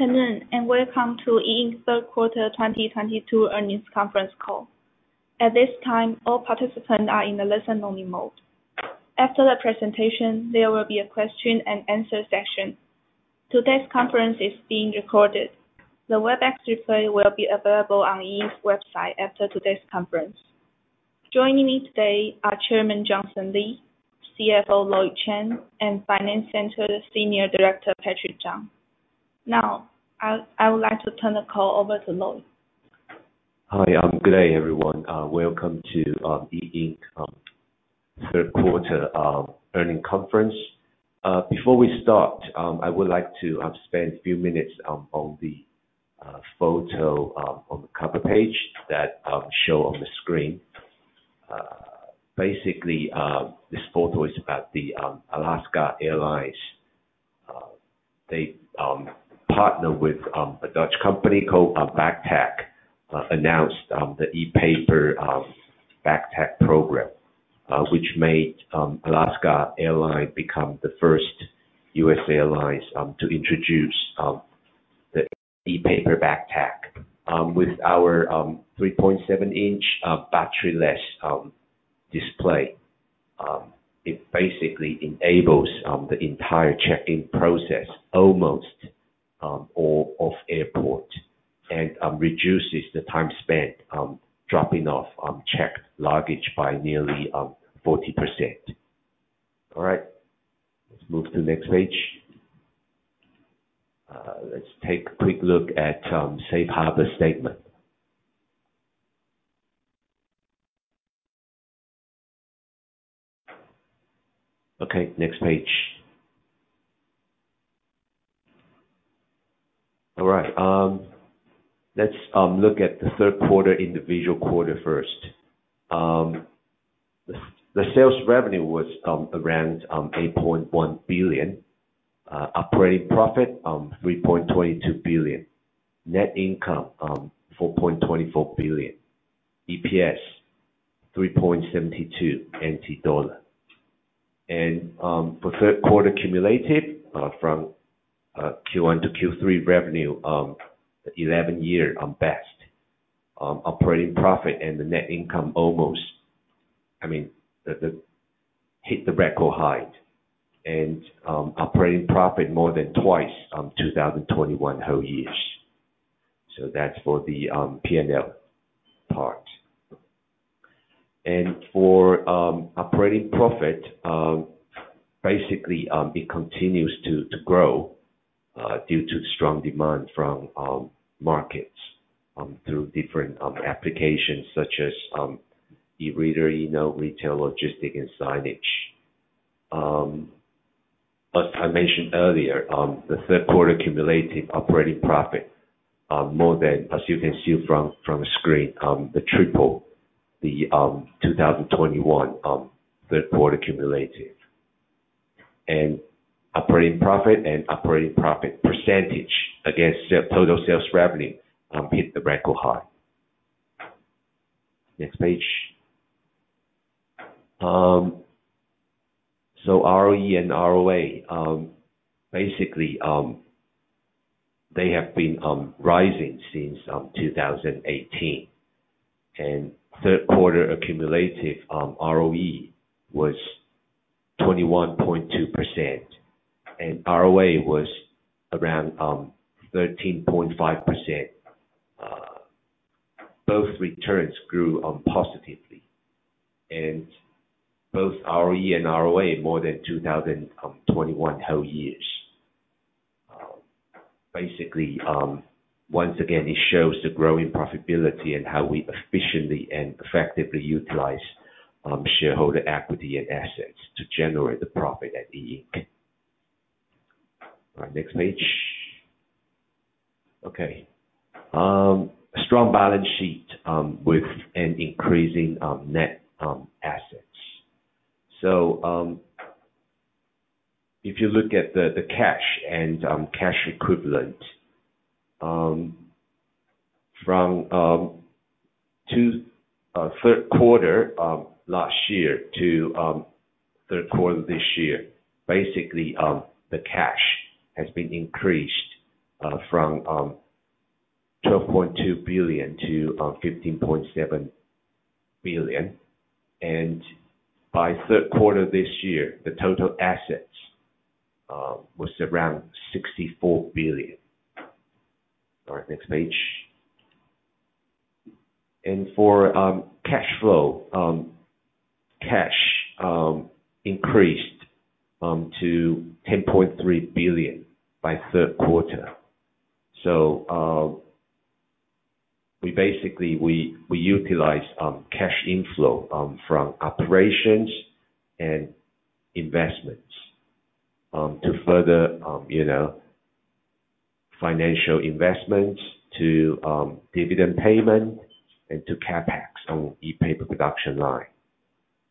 Afternoon, and welcome to E Ink third quarter 2022 earnings conference call. At this time, all participants are in the listen-only mode. After the presentation, there will be a question and answer session. Today's conference is being recorded. The WebEx replay will be available on E Ink's website after today's conference. Joining me today are Chairman Johnson Lee, CFO Lloyd Chen, and Finance Center Senior Director Patrick Chang. Now, I would like to turn the call over to Lloyd. Hi. Good day, everyone. Welcome to E Ink third quarter earnings conference. Before we start, I would like to spend a few minutes on the photo on the cover page that show on the screen. Basically, this photo is about Alaska Airlines. They partner with a Dutch company called BAGTAG, announced the ePaper BAGTAG program, which made Alaska Airlines become the first U.S. airlines to introduce the ePaper BAGTAG with our 3.7 inch batteryless display. It basically enables the entire check-in process almost all off-airport and reduces the time spent dropping off checked luggage by nearly 40%. All right. Let's move to the next page. Let's take a quick look at safe harbor statement. Okay, next page. All right. Let's look at the third quarter individual quarter first. The sales revenue was around 8.1 billion. Operating profit, 3.22 billion. Net income, 4.24 billion. EPS, 3.72 NT dollar. For third quarter cumulative, from Q1 to Q3 revenue, 11-year best. Operating profit and the net income almost, I mean, hit the record high. Operating profit more than twice 2021 whole years. That's for the P&L part. For operating profit, basically, it continues to grow due to strong demand from markets through different applications such as eReader, eNote, retail, logistic, and signage. As I mentioned earlier, the third quarter cumulative operating profit, more than as you can see from the screen, triple the 2021 third quarter cumulative. Operating profit and operating profit percentage against total sales revenue hit the record high. Next page. ROE and ROA, basically, they have been rising since 2018. Third quarter accumulative ROE was 21.2%, and ROA was around 13.5%. Both returns grew positively. Both ROE and ROA more than 2021 whole years. Basically, once again, it shows the growing profitability and how we efficiently and effectively utilize shareholder equity and assets to generate the profit at E Ink. All right, next page. Okay. Strong balance sheet with an increasing net assets. If you look at the cash and cash equivalent from third quarter last year to third quarter this year, basically, the cash has been increased from 12.2 billion to 15.7 billion. By third quarter this year, the total assets was around 64 billion. All right, next page. For cash flow, cash increased to 10.3 billion by third quarter. So, um, we basically, we utilized, um, cash inflow, um, from operations and investments, um, to further, um, you know, financial investments to, um, dividend payment and to CapEx on ePaper production line.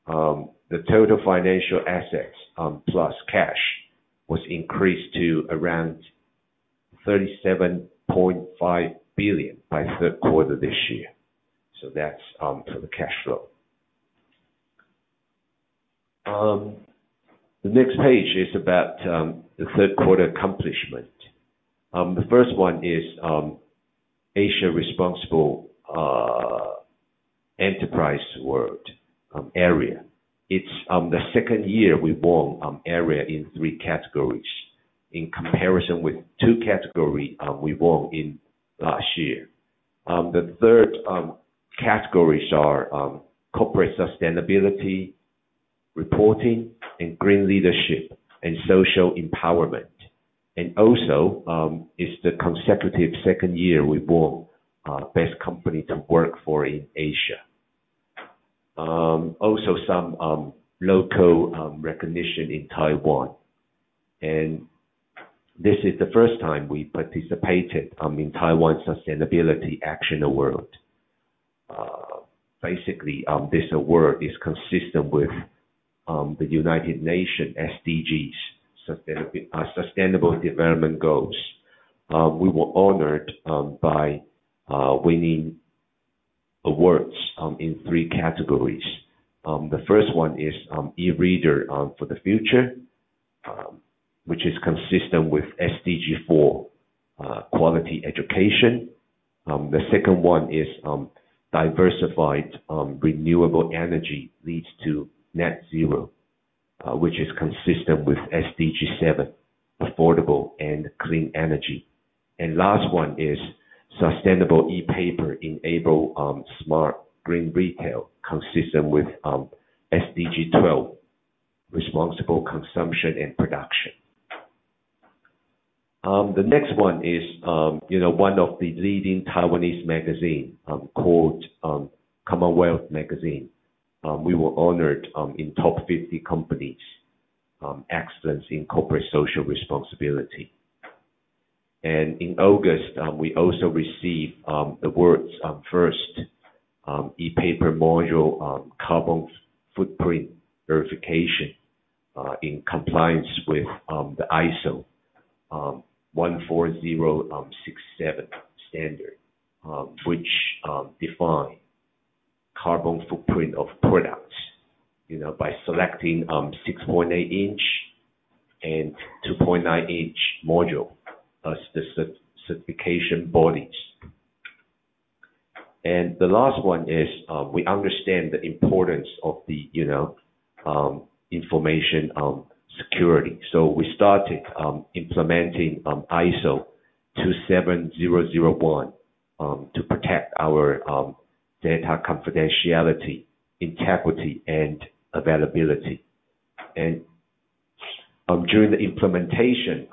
Um, the total financial assets, um, plus cash was increased to around thirty-seven point five billion by third quarter this year. So that's, um, for the cash flow. Um, the next page is about, um, the third quarter accomplishment. Um, the first one is, um, Asia Responsible Enterprise Awards, um, AREA. It's, um, the second year we won, um, area in three categories in comparison with two category, um, we won in last year. Um, the third, um, categories are, um, corporate sustainability, reporting, and green leadership, and social empowerment. And also, um, it's the consecutive second year we've won, uh, best company to work for in Asia. Also some local recognition in Taiwan. This is the first time we participated in Taiwan Sustainability Action Award. This award is consistent with the United Nations SDGs, Sustainable Development Goals. We were honored by winning awards in 3 categories. The first one is eReader for the Future, which is consistent with SDG 4, Quality Education. The second one is Diversified Renewable Energy Leads to Net Zero, which is consistent with SDG 7, Affordable and Clean Energy. Last one is Sustainable ePaper Enable Smart Green Retail consistent with SDG 12, Responsible Consumption and Production. The next one is, you know, one of the leading Taiwanese magazine called CommonWealth Magazine. We were honored in Top 50 Companies, Excellence in Corporate Social Responsibility. In August, we also received awards, first ePaper module carbon footprint verification in compliance with the ISO 14067 standard, which define carbon footprint of products, you know, by selecting 6.8 inch and 2.9 inch module, the certification bodies. The last one is we understand the importance of the, you know, information security. We started implementing ISO 27001 to protect our data confidentiality, integrity, and availability. During the implementation,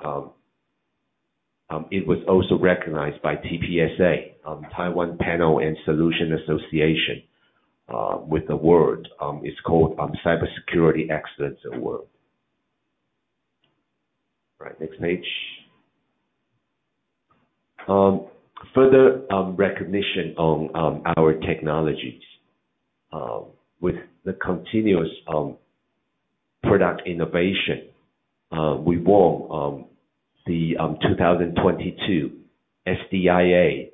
it was also recognized by TPSA, Taiwan Panel and Solution Association, with the award, it's called Cybersecurity Excellence Award. Right, next page. Further recognition on our technologies with the continuous product innovation, we won the 2022 SDIA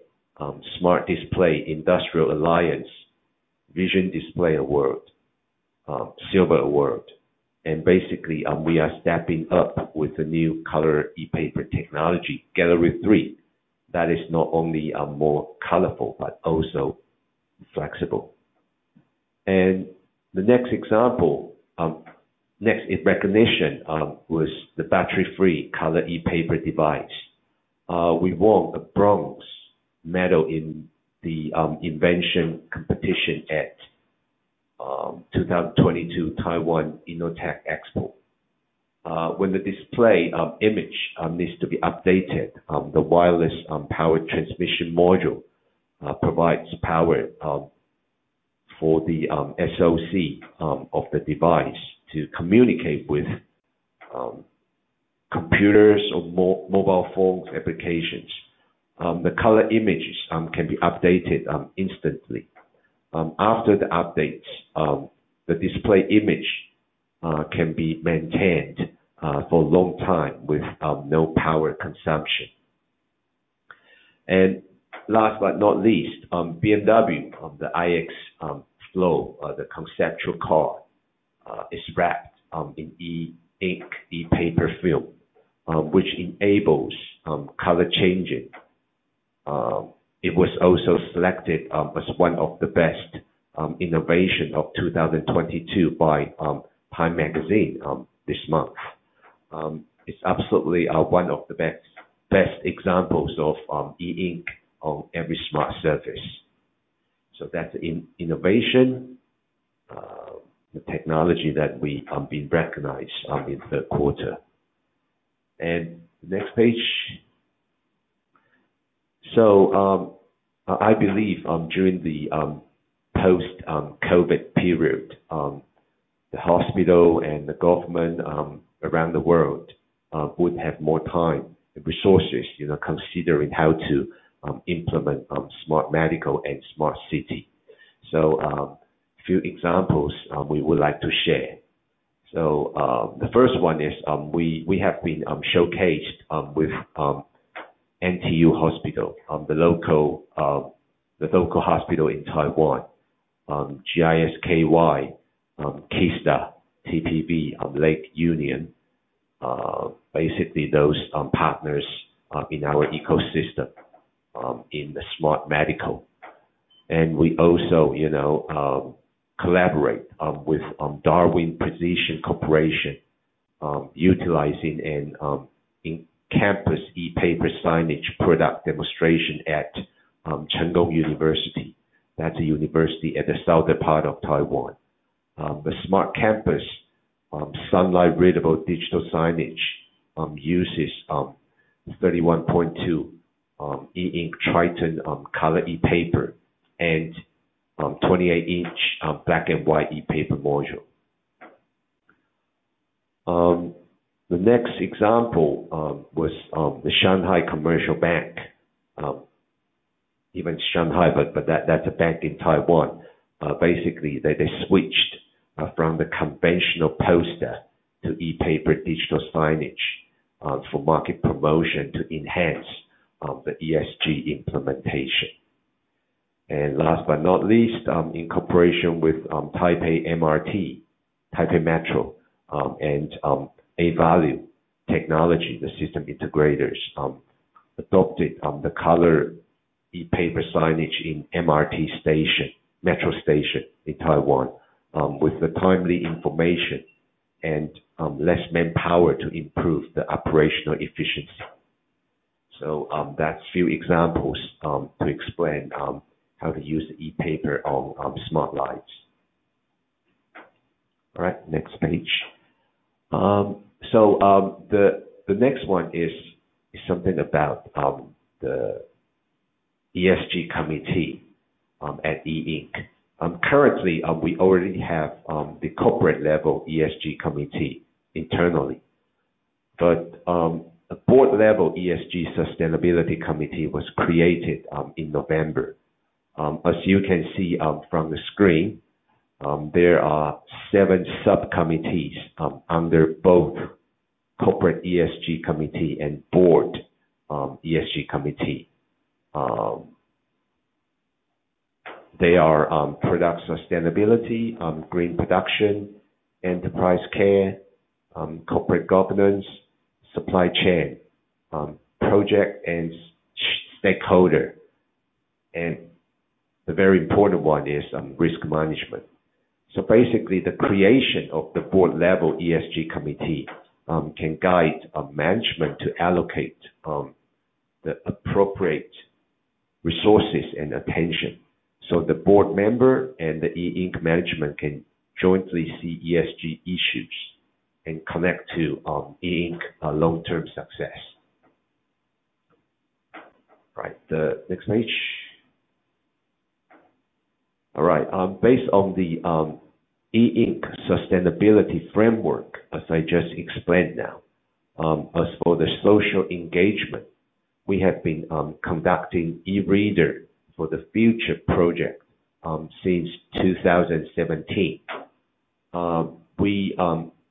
Smart Display Industrial Alliance Vision Display award, Silver Award. Basically, we are stepping up with the new color ePaper technology, Gallery 3. That is not only more colorful, but also flexible. The next example, next in recognition, was the battery-free color ePaper device. We won a Bronze Medal in the invention competition at 2022 Taiwan Innotech Expo. When the display image needs to be updated, the wireless power transmission module provides power for the SoC of the device to communicate with computers or mobile phone applications. The color images can be updated instantly. After the updates, the display image can be maintained for a long time with no power consumption. Last but not least, BMW, the iX Flow, the conceptual car, is wrapped in E Ink ePaper film, which enables color changing. It was also selected as one of the best innovation of 2022 by Time Magazine this month. It's absolutely one of the best examples of E Ink on every smart surface. That's innovation, the technology that we been recognized in third quarter. Next page. I believe during the post-COVID period, the hospital and the government around the world would have more time and resources, you know, considering how to implement smart medical and smart city. Few examples we would like to share. The first one is we have been showcased with NTU Hospital, the local hospital in Taiwan, GIS-KY, Qisda, TPV, Liqin. Basically those partners in our ecosystem in the smart medical. We also, you know, collaborate with Darwin Precisions Corporation, utilizing an in-campus ePaper signage product demonstration at National Chung Cheng University. That's a university at the southern part of Taiwan. The smart campus sunlight readable digital signage uses 31.2 E Ink Triton color ePaper and 28-inch black and white ePaper module. The next example was the Shanghai Commercial Bank, even Shanghai, that's a bank in Taiwan. Basically, they switched from the conventional poster to ePaper digital signage for market promotion to enhance the ESG implementation. Last but not least, in cooperation with Taipei MRT, Taipei Metro, and Avalue Technology, the system integrators adopted the color ePaper signage in MRT station, metro station in Taiwan, with the timely information and less manpower to improve the operational efficiency. That's few examples to explain how to use the ePaper on smart lights. All right, next page. The next one is something about the ESG committee at E Ink. Currently, we already have the corporate level ESG committee internally. A board level ESG sustainability committee was created in November. As you can see from the screen, there are seven subcommittees under both corporate ESG committee and board ESG committee. They are product sustainability, green production, enterprise care, corporate governance, supply chain, project and stakeholder. The very important one is risk management. Basically, the creation of the board level ESG committee can guide a management to allocate the appropriate resources and attention, so the board member and the E Ink management can jointly see ESG issues and connect to E Ink long-term success. Right. The next page. All right. Based on the E Ink sustainability framework, as I just explained now, as for the social engagement, we have been conducting eRead for the Future project since 2017. We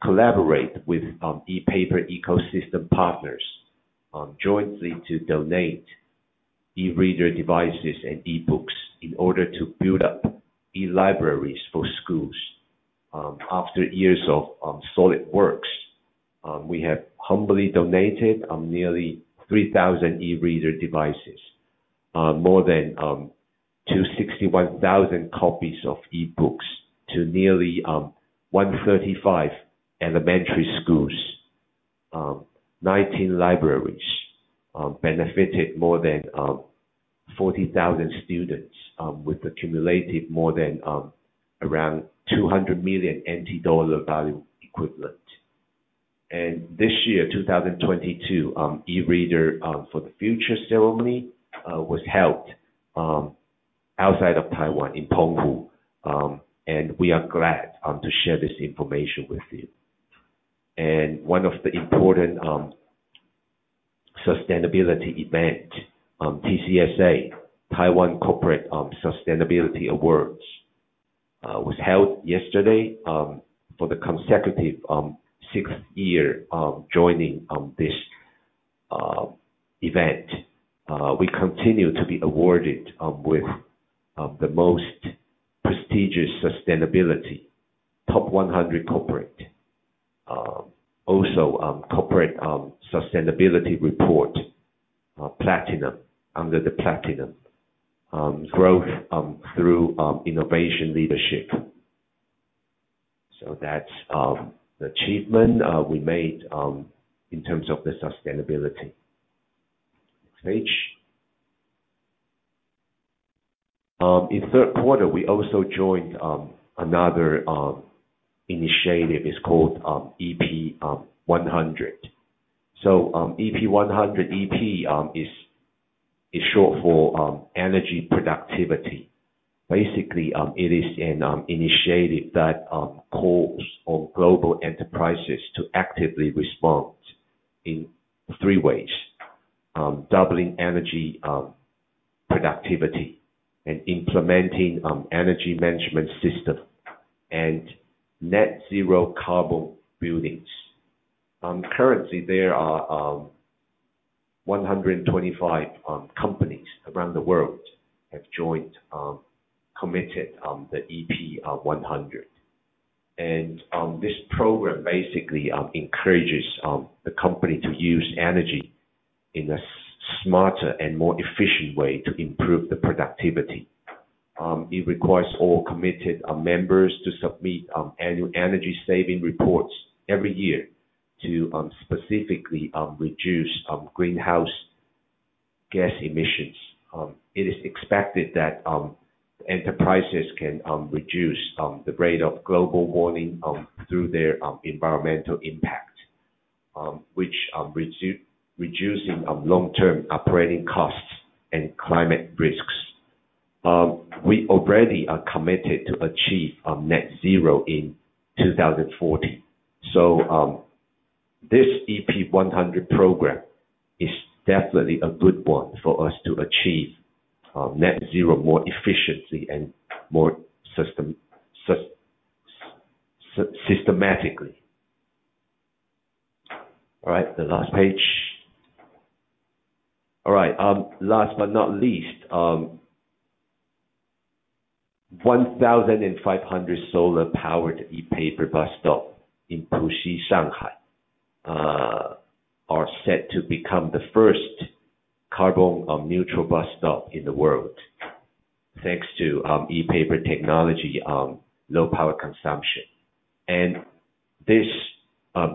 collaborate with ePaper ecosystem partners jointly to donate eReader devices and eBooks in order to build up eLibraries for schools. After years of solid works, we have humbly donated nearly 3,000 eReader devices, more than 261,000 copies of eBooks to nearly 135 elementary schools. 19 libraries benefited more than 40,000 students, with accumulated more than around 200 million NT dollar value equivalent. This year, 2022, eRead for the Future ceremony was held outside of Taiwan in Penghu. We are glad to share this information with you. One of the important sustainability event, TCSA, Taiwan Corporate Sustainability Awards, was held yesterday for the consecutive sixth year of joining this event. We continue to be awarded with the most prestigious sustainability, Top 100 Corporate. Also, Corporate Sustainability Report Platinum, under the Platinum Growth through Innovation Leadership. That's the achievement we made in terms of the sustainability. Next page. In third quarter, we also joined another initiative, it's called EP100. EP100, EP is short for energy productivity. Basically, it is an initiative that calls on global enterprises to actively respond in three ways, doubling energy productivity and implementing energy management system and net zero carbon buildings. Currently there are 125 companies around the world have joined, committed the EP100. This program basically encourages the company to use energy in a smarter and more efficient way to improve the productivity. It requires all committed members to submit annual energy saving reports every year to specifically reduce greenhouse gas emissions. It is expected that enterprises can reduce the rate of global warming through their environmental impact, which reducing long-term operating costs and climate risks. We already are committed to achieve Net Zero in 2040. This EP100 program is definitely a good one for us to achieve Net Zero more efficiently and more systematically. All right, the last page. All right. Last but not least, 1,500 solar-powered ePaper bus stop in Pudong, Shanghai are set to become the first carbon-neutral bus stop in the world, thanks to ePaper technology low power consumption. This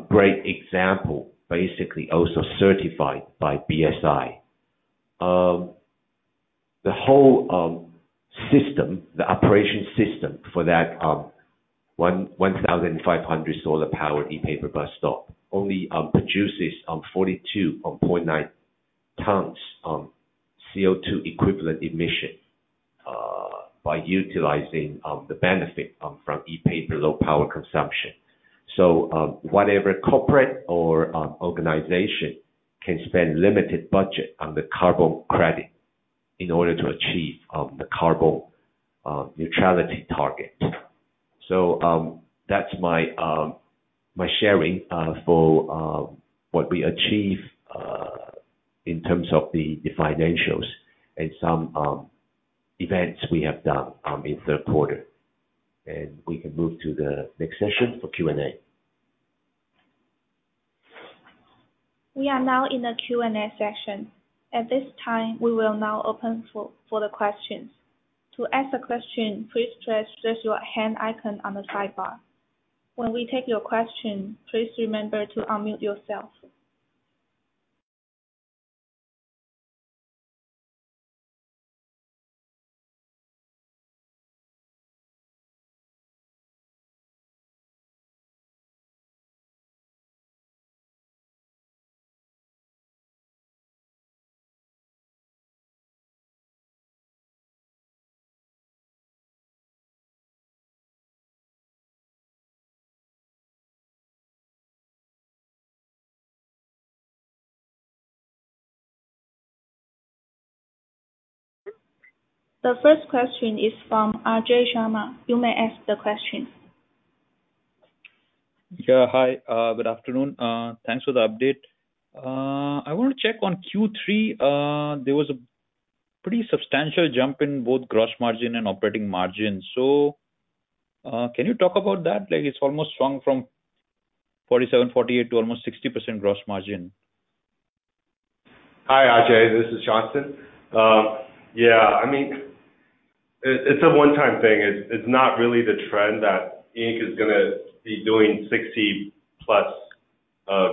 great example basically also certified by BSI. The whole system, the operation system for that 1,500 solar-powered ePaper bus stop only produces 42.9 tons CO2 equivalent emission by utilizing the benefit from ePaper low power consumption. Whatever corporate or organization can spend limited budget on the carbon credit in order to achieve the carbon neutrality target. That's my sharing for what we achieve in terms of the financials and some events we have done in third quarter. We can move to the next session for Q&A. We are now in the Q&A session. At this time, we will now open for the questions. To ask a question, please press your hand icon on the sidebar. When we take your question, please remember to unmute yourself. The first question is from Ajay Sharma. You may ask the question. Yeah. Hi, good afternoon. Thanks for the update. I want to check on Q3. There was a pretty substantial jump in both gross margin and operating margin. Can you talk about that? Like it's almost swung from 47%-48% to almost 60% gross margin. Hi, Ajay, this is Johnson. Yeah, I mean, it's a one-time thing. It's not really the trend that E Ink is gonna be doing 60%+,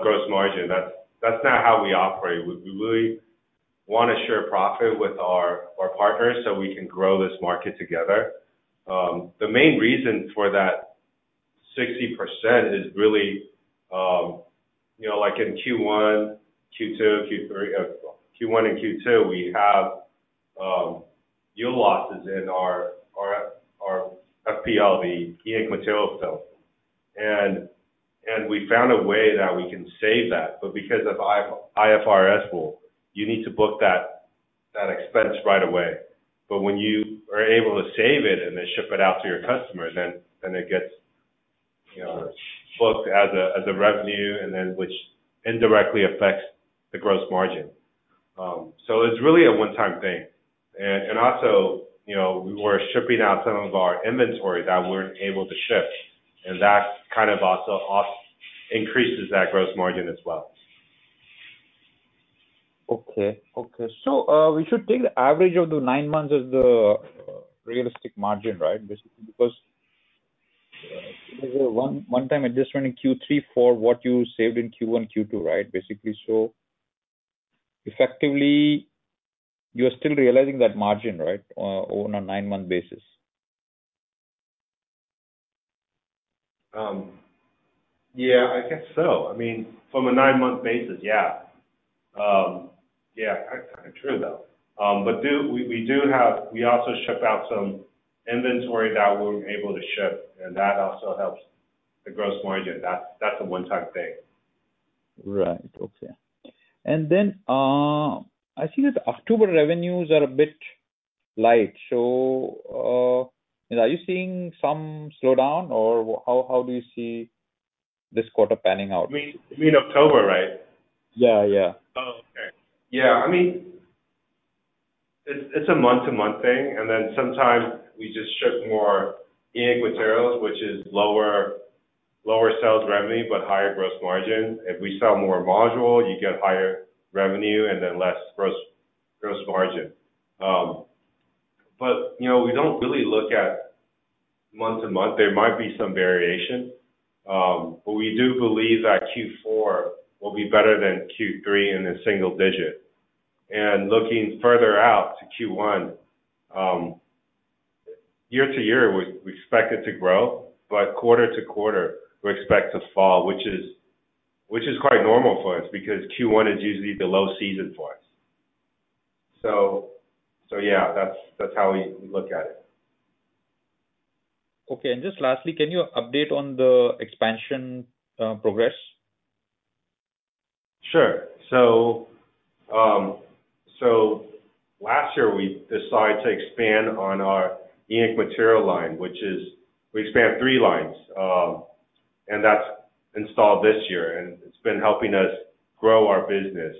gross margin. That's not how we operate. We really wanna share profit with our partners, so we can grow this market together. The main reason for that 60% is really, you know, like in Q1 and Q2, we have yield losses in our FPL, the E Ink material itself. We found a way that we can save that, but because of IFRS rule, you need to book that expense right away. When you are able to save it and then ship it out to your customer, then it gets, you know, booked as a revenue and then which indirectly affects the gross margin. It's really a one-time thing. Also, you know, we were shipping out some of our inventory that we weren't able to ship, and that kind of also increases that gross margin as well. Okay. Okay. We should take the average of the nine months as the realistic margin, right? Basically, because it was a one-time adjustment in Q3 for what you saved in Q1, Q2, right? Basically, effectively you are still realizing that margin, right, on a nine-month basis. Um, yeah, I guess so. I mean, from a nine-month basis. Yeah. Um, yeah, that's true, though. Um, but do-- we, we do have -- we also ship out some inventory that we're able to ship, and that also helps the gross margin. That's, that's a one-time thing. Right. Okay. I see that October revenues are a bit light. Are you seeing some slowdown or how do you see this quarter panning out? You mean October, right? Yeah, yeah. Oh, okay. Yeah. I mean, it's a month-to-month thing. Sometimes we just ship more ink materials, which is lower sales revenue but higher gross margin. If we sell more module, you get higher revenue and then less gross margin. You know, we don't really look at month-to-month. There might be some variation, but we do believe that Q4 will be better than Q3 in the single digit. Looking further out to Q1, year-to-year, we expect it to grow, but quarter-to-quarter we expect to fall, which is quite normal for us because Q1 is usually the low season for us. Yeah, that's how we look at it. Okay. Just lastly, can you update on the expansion progress? Sure. Last year we decided to expand on our ink material line, which is we expand three lines, and that's installed this year, and it's been helping us grow our business.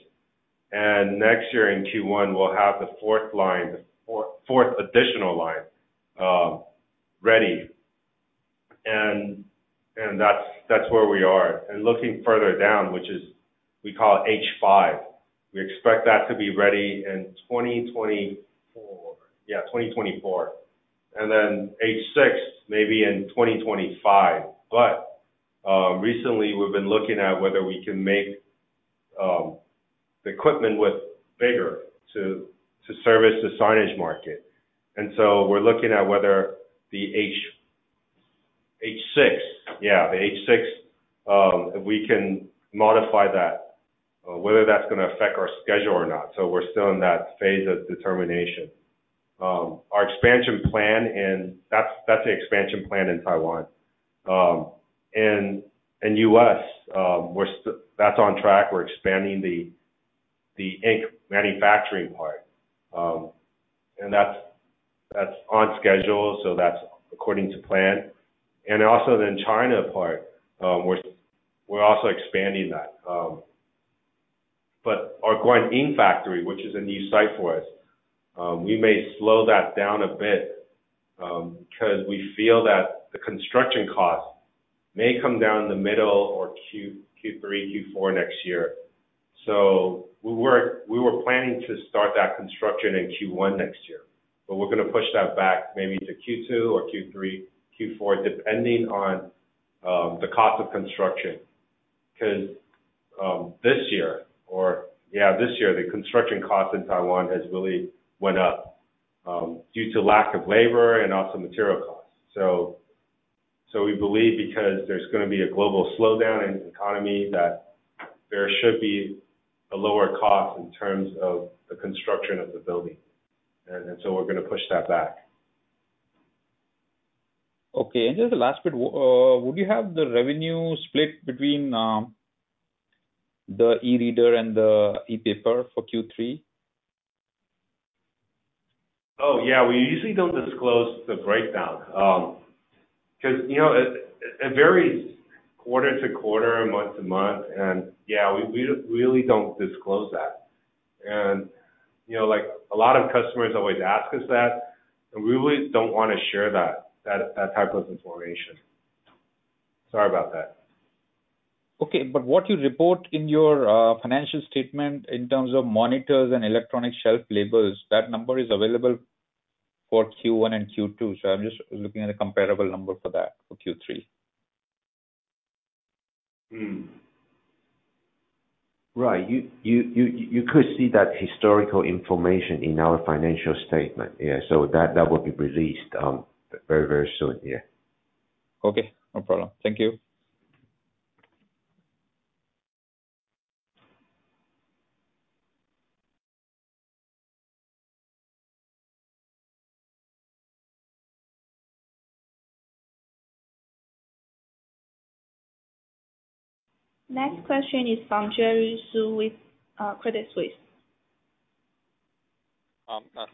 Next year in Q1 we'll have the fourth additional line ready. That's where we are. Looking further down, which is we call H5, we expect that to be ready in 2024. Yeah, 2024. H6 maybe in 2025. Recently we've been looking at whether we can make the equipment with bigger to service the signage market. We're looking at whether the H6, yeah, the H6, if we can modify that, whether that's gonna affect our schedule or not. We're still in that phase of determination. That's the expansion plan in Taiwan. In U.S., that's on track. We're expanding the ink manufacturing part. That's on schedule. That's according to plan. Also the China part, we're also expanding that. Our Guanyin factory, which is a new site for us, we may slow that down a bit 'cause we feel that the construction cost may come down in the middle or Q3, Q4 next year. We were planning to start that construction in Q1 next year, but we're gonna push that back maybe to Q2 or Q3, Q4, depending on the cost of construction. 'Cause this year, the construction cost in Taiwan has really went up due to lack of labor and also material costs. We believe because there's gonna be a global slowdown in the economy, that there should be a lower cost in terms of the construction of the building. We're gonna push that back. Okay. Just the last bit, would you have the revenue split between the eReader and the ePaper for Q3? Oh, yeah. We usually don't disclose the breakdown 'cause, you know, it varies quarter to quarter, month to month, and, yeah, we really don't disclose that. You know, like, a lot of customers always ask us that, and we really don't wanna share that type of information. Sorry about that. Okay. What you report in your financial statement in terms of monitors and electronic shelf labels, that number is available for Q1 and Q2. I'm just looking at a comparable number for that for Q3. Hmm. Right. You could see that historical information in our financial statement. Yeah. That will be released very, very soon. Yeah. Okay. No problem. Thank you. Next question is from Jerry Xu with Credit Suisse.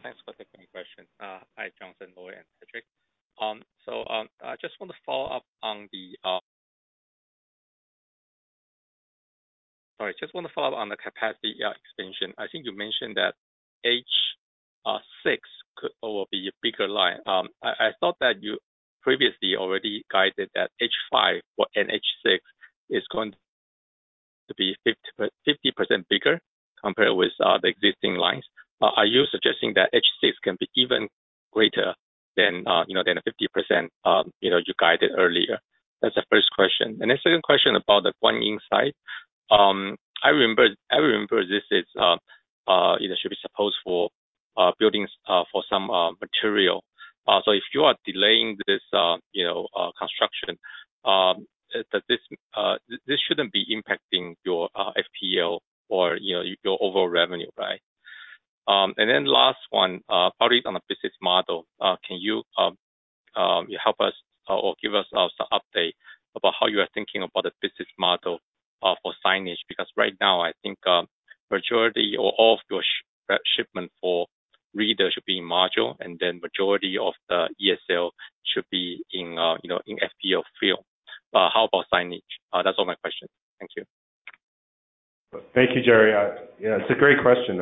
Thanks for taking the question. Hi, Johnson Lee, Lloyd Chen, and Patrick Chang. Just want to follow up on the capacity expansion. I think you mentioned that H6 could be a bigger line. I thought that you previously already guided that H5 and H6 is going to be 50% bigger compared with the existing lines. Are you suggesting that H6 can be even greater than the 50%, you know, you guided earlier? That's the first question. The second question about the Guanyin site. I remember this, you know, should be supposed for buildings for some material. If you are delaying this, you know, construction, this shouldn't be impacting your FPL or, you know, your overall revenue, right? Last one, probably on the business model. Can you help us or give us also update about how you are thinking about the business model for signage? Because right now, I think majority or all of your shipment for reader should be module, and then majority of the ESL should be in, you know, in FPL field. How about signage? That's all my questions. Thank you. Thank you, Jerry. Yeah, it's a great question.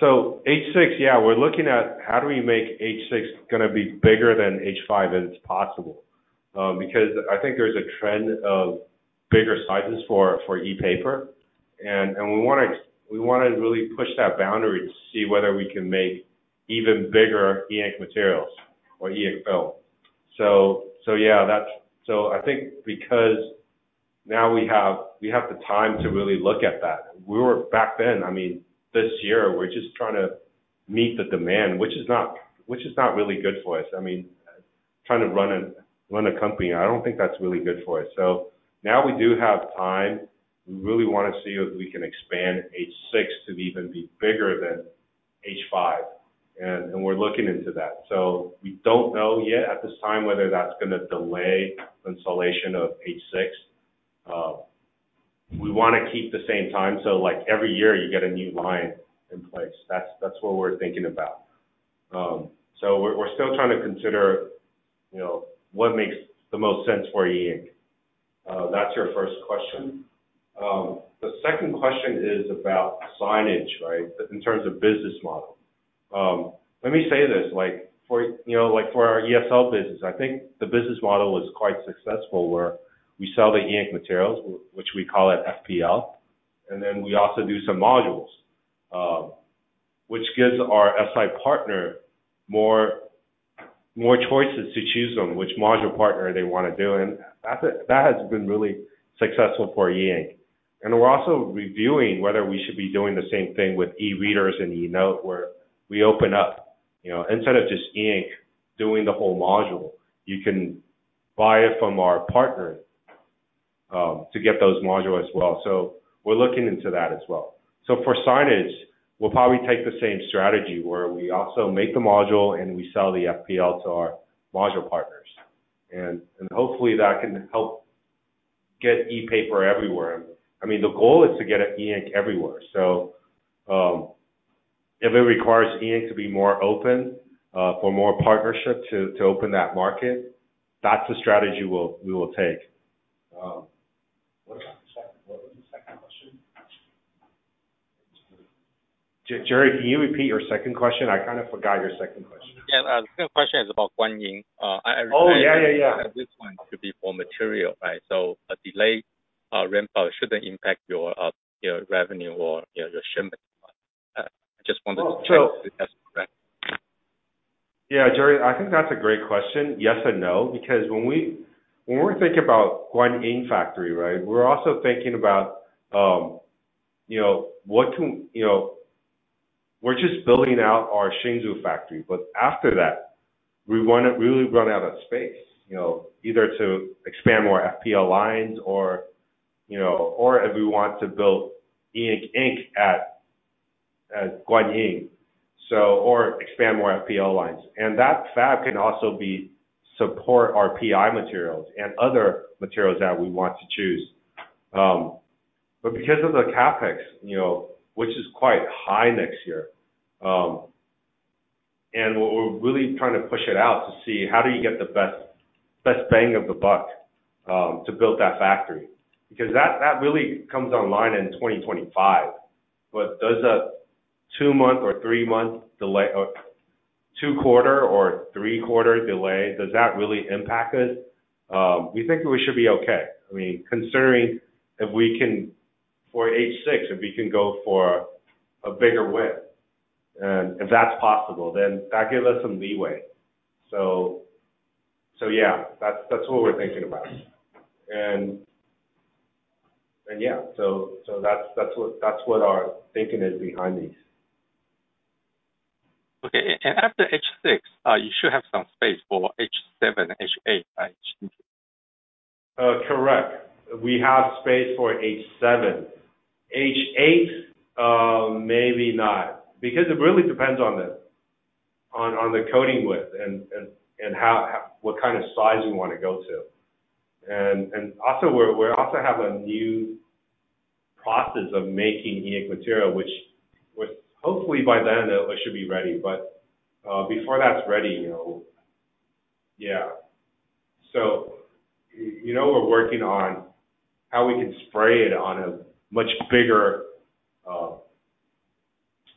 H6, yeah, we're looking at how do we make H6 gonna be bigger than H5 as possible. Because I think there's a trend of bigger sizes for ePaper, and we wanna really push that boundary to see whether we can make even bigger E Ink materials or FPL. Yeah. I think because now we have the time to really look at that. We were back then, I mean, this year we're just trying to meet the demand, which is not really good for us. I mean, trying to run a company, I don't think that's really good for us. Now we do have time. We really wanna see if we can expand H6 to even be bigger than H5, and we're looking into that. We don't know yet at this time whether that's gonna delay installation of H6. We wanna keep the same time, so like every year you get a new line in place. That's what we're thinking about. We're still trying to consider, you know, what makes the most sense for E Ink. That's your first question. The second question is about signage, right, in terms of business model. Let me say this, you know, like for our ESL business, I think the business model is quite successful, where we sell the E Ink materials, which we call it FPL. We also do some modules, which gives our SI partner more choices to choose on which module partner they wanna do. That has been really successful for E Ink. We're also reviewing whether we should be doing the same thing with eReaders and eNote, where we open up. You know, instead of just E Ink doing the whole module, you can buy it from our partner to get those module as well. We're looking into that as well. For signage, we'll probably take the same strategy, where we also make the module and we sell the FPL to our module partners. Hopefully that can help get ePaper everywhere. I mean, the goal is to get E Ink everywhere. If it requires E Ink to be more open for more partnership to open that market, that's the strategy we will take. What was the second question? Jerry, can you repeat your second question? I kind of forgot your second question. Yeah. Second question is about Guanyin. Oh, yeah, yeah. This one should be for material, right? A delay ramp up shouldn't impact your revenue or, you know, your shipment. So- Just check if that's correct. Yeah. Jerry, I think that's a great question. Yes and no. Because when we're thinking about Guanyin factory, right? We're also thinking about, you know, we're just building out our Yangzhou factory, but after that we wanna really run out of space, you know, either to expand more FPL lines or, you know, if we want to build E Ink ink at Guanyin, or expand more FPL lines. That fab can also be support our PI materials and other materials that we want to choose. Because of the CapEx, you know, which is quite high next year, we're really trying to push it out to see how do you get the best bang for the buck to build that factory. Because that really comes online in 2025. Does a two-month or three-month delay or two-quarter or three-quarter delay, does that really impact us? We think we should be okay. I mean, considering, for H6, if we can go for a bigger width, if that's possible, then that gives us some leeway. Yeah, that's what we're thinking about. Yeah, so that's what our thinking is behind these. Okay. After H6, you should have some space for H7, H8, right? Correct. We have space for H7. H8, maybe not, because it really depends on the coating width and what kind of size we wanna go to. We also have a new process of making E Ink material, which hopefully by then it should be ready. Before that's ready, you know. Yeah, you know, we're working on how we can spray it.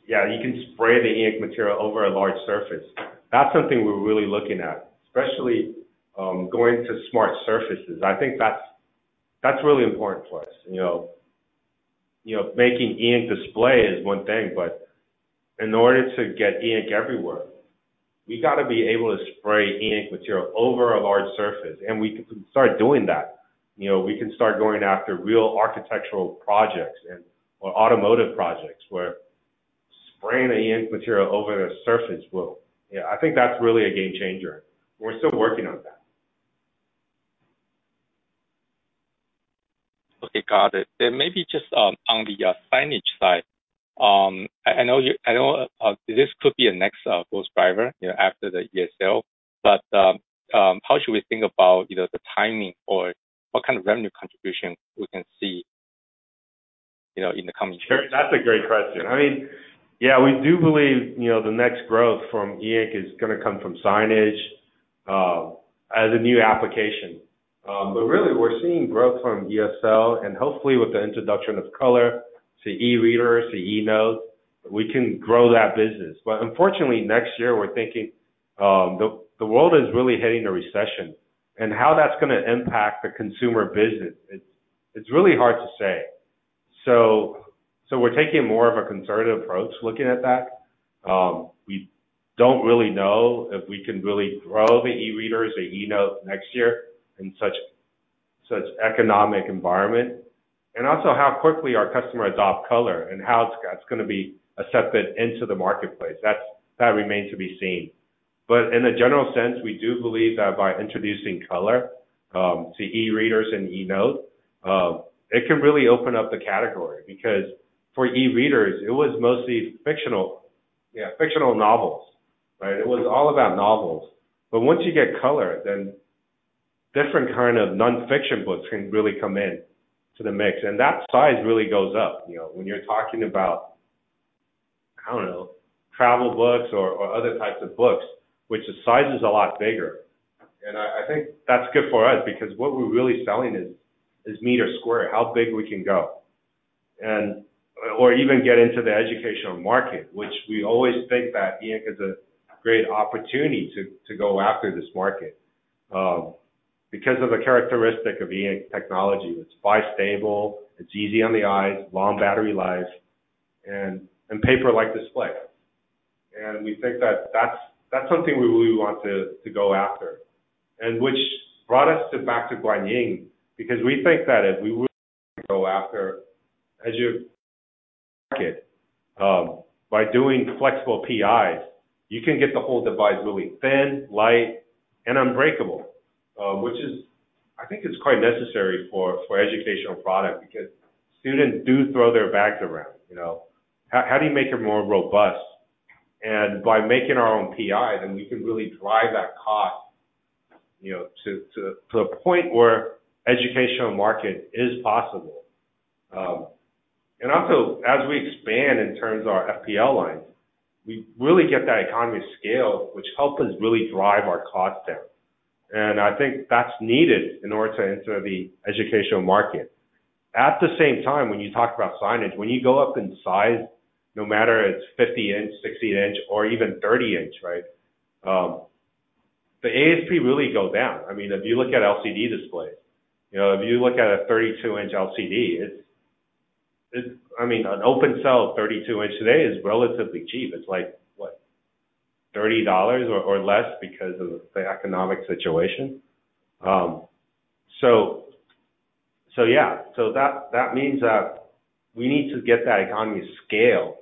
Yeah, you can spray the E Ink material over a large surface. That's something we're really looking at, especially going to smart surfaces. I think that's really important for us, you know. You know, making E Ink display is one thing, but in order to get E Ink everywhere, we gotta be able to spray E Ink material over a large surface, and we can start doing that. You know, we can start going after real architectural projects and or automotive projects, where spraying the E Ink material over a surface will. Yeah, I think that's really a game changer. We're still working on that. Okay. Got it. Maybe just on the signage side. I know this could be a next growth driver, you know, after the ESL. How should we think about, you know, the timing or what kind of revenue contribution we can see, you know, in the coming years? Jerry, that's a great question. I mean, yeah, we do believe, you know, the next growth from E Ink is gonna come from signage as a new application. Really we're seeing growth from ESL and hopefully with the introduction of color to eReaders, to eNote, we can grow that business. Unfortunately, next year we're thinking the world is really hitting a recession and how that's gonna impact the consumer business, it's really hard to say. We're taking more of a conservative approach looking at that. We don't really know if we can really grow the eReaders or eNote next year in such economic environment. Also how quickly our customer adopt color and how it's gonna be accepted into the marketplace. That remains to be seen. In a general sense, we do believe that by introducing color to eReaders and eNote, it can really open up the category because for eReaders it was mostly yeah, fictional novels, right? It was all about novels. Once you get color then different kind of nonfiction books can really come into the mix, and that size really goes up. You know, when you're talking about, I don't know, travel books or other types of books, which the size is a lot bigger. I think that's good for us because what we're really selling is meter square, how big we can go. Even get into the educational market, which we always think that E Ink is a great opportunity to go after this market, because of the characteristic of E Ink technology. It's bistable, it's easy on the eyes, long battery life and paper-like display. We think that that's something we really want to go after. Which brought us back to Guanyin because we think that if we really go after by doing flexible PIs, you can get the whole device really thin, light and unbreakable. Which is, I think it's quite necessary for educational product because students do throw their bags around, you know. How do you make it more robust? By making our own PI then we can really drive that cost, you know, to a point where educational market is possible. Also as we expand in terms of our FPL lines, we really get that economy scale, which help us really drive our costs down. I think that's needed in order to enter the educational market. At the same time, when you talk about signage, when you go up in size, no matter it's 50 inch, 60 inch or even 30 inch, right? The ASP really go down. I mean, if you look at LCD displays, you know, if you look at a 32 inch LCD, I mean, an open cell 32 inch today is relatively cheap. It's like, what? $30 or less because of the economic situation. Yeah. That means that we need to get that economy scale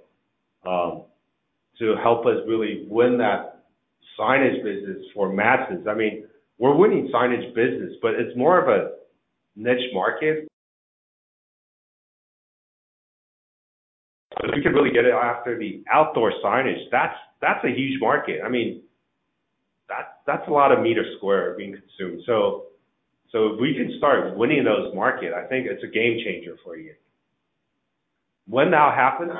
to help us really win that signage business for masses. I mean, we're winning signage business, but it's more of a niche market. If we can really get it after the outdoor signage, that's a huge market. I mean, that's a lot of meter square being consumed. If we can start winning those market, I think it's a game changer for E Ink. When that'll happen?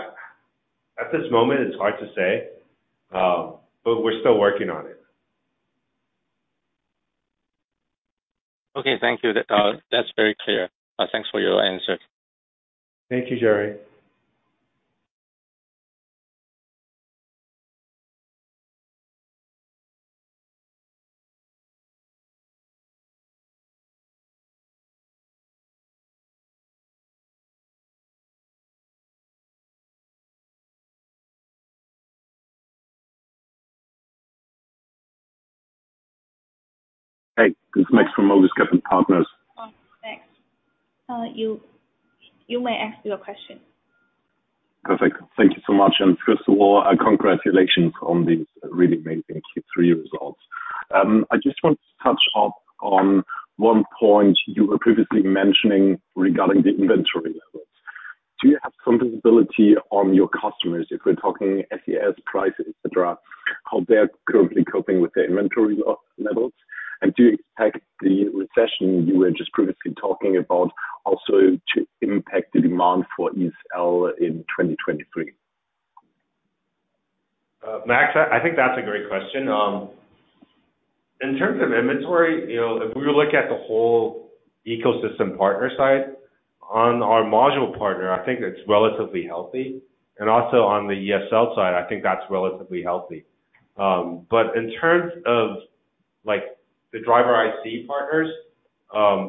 At this moment it's hard to say, but we're still working on it. Okay. Thank you. That's very clear. Thanks for your answer. Thank you, Jerry. Hey, this is Max from Morgan Stanley. Oh, Max. You may ask your question. Perfect. Thank you so much. First of all, congratulations on these really amazing Q3 results. I just want to touch up on one point you were previously mentioning regarding the inventory levels. Do you have some visibility on your customers, if we're talking SES-imagotag, Pricer, et cetera, how they're currently coping with the inventory levels? Do you expect the recession you were just previously talking about also to impact the demand for ESL in 2023? Max, I think that's a great question. In terms of inventory, you know, if we look at the whole ecosystem partner side, on our module partner I think it's relatively healthy. Also on the ESL side I think that's relatively healthy. In terms of like the driver IC partners,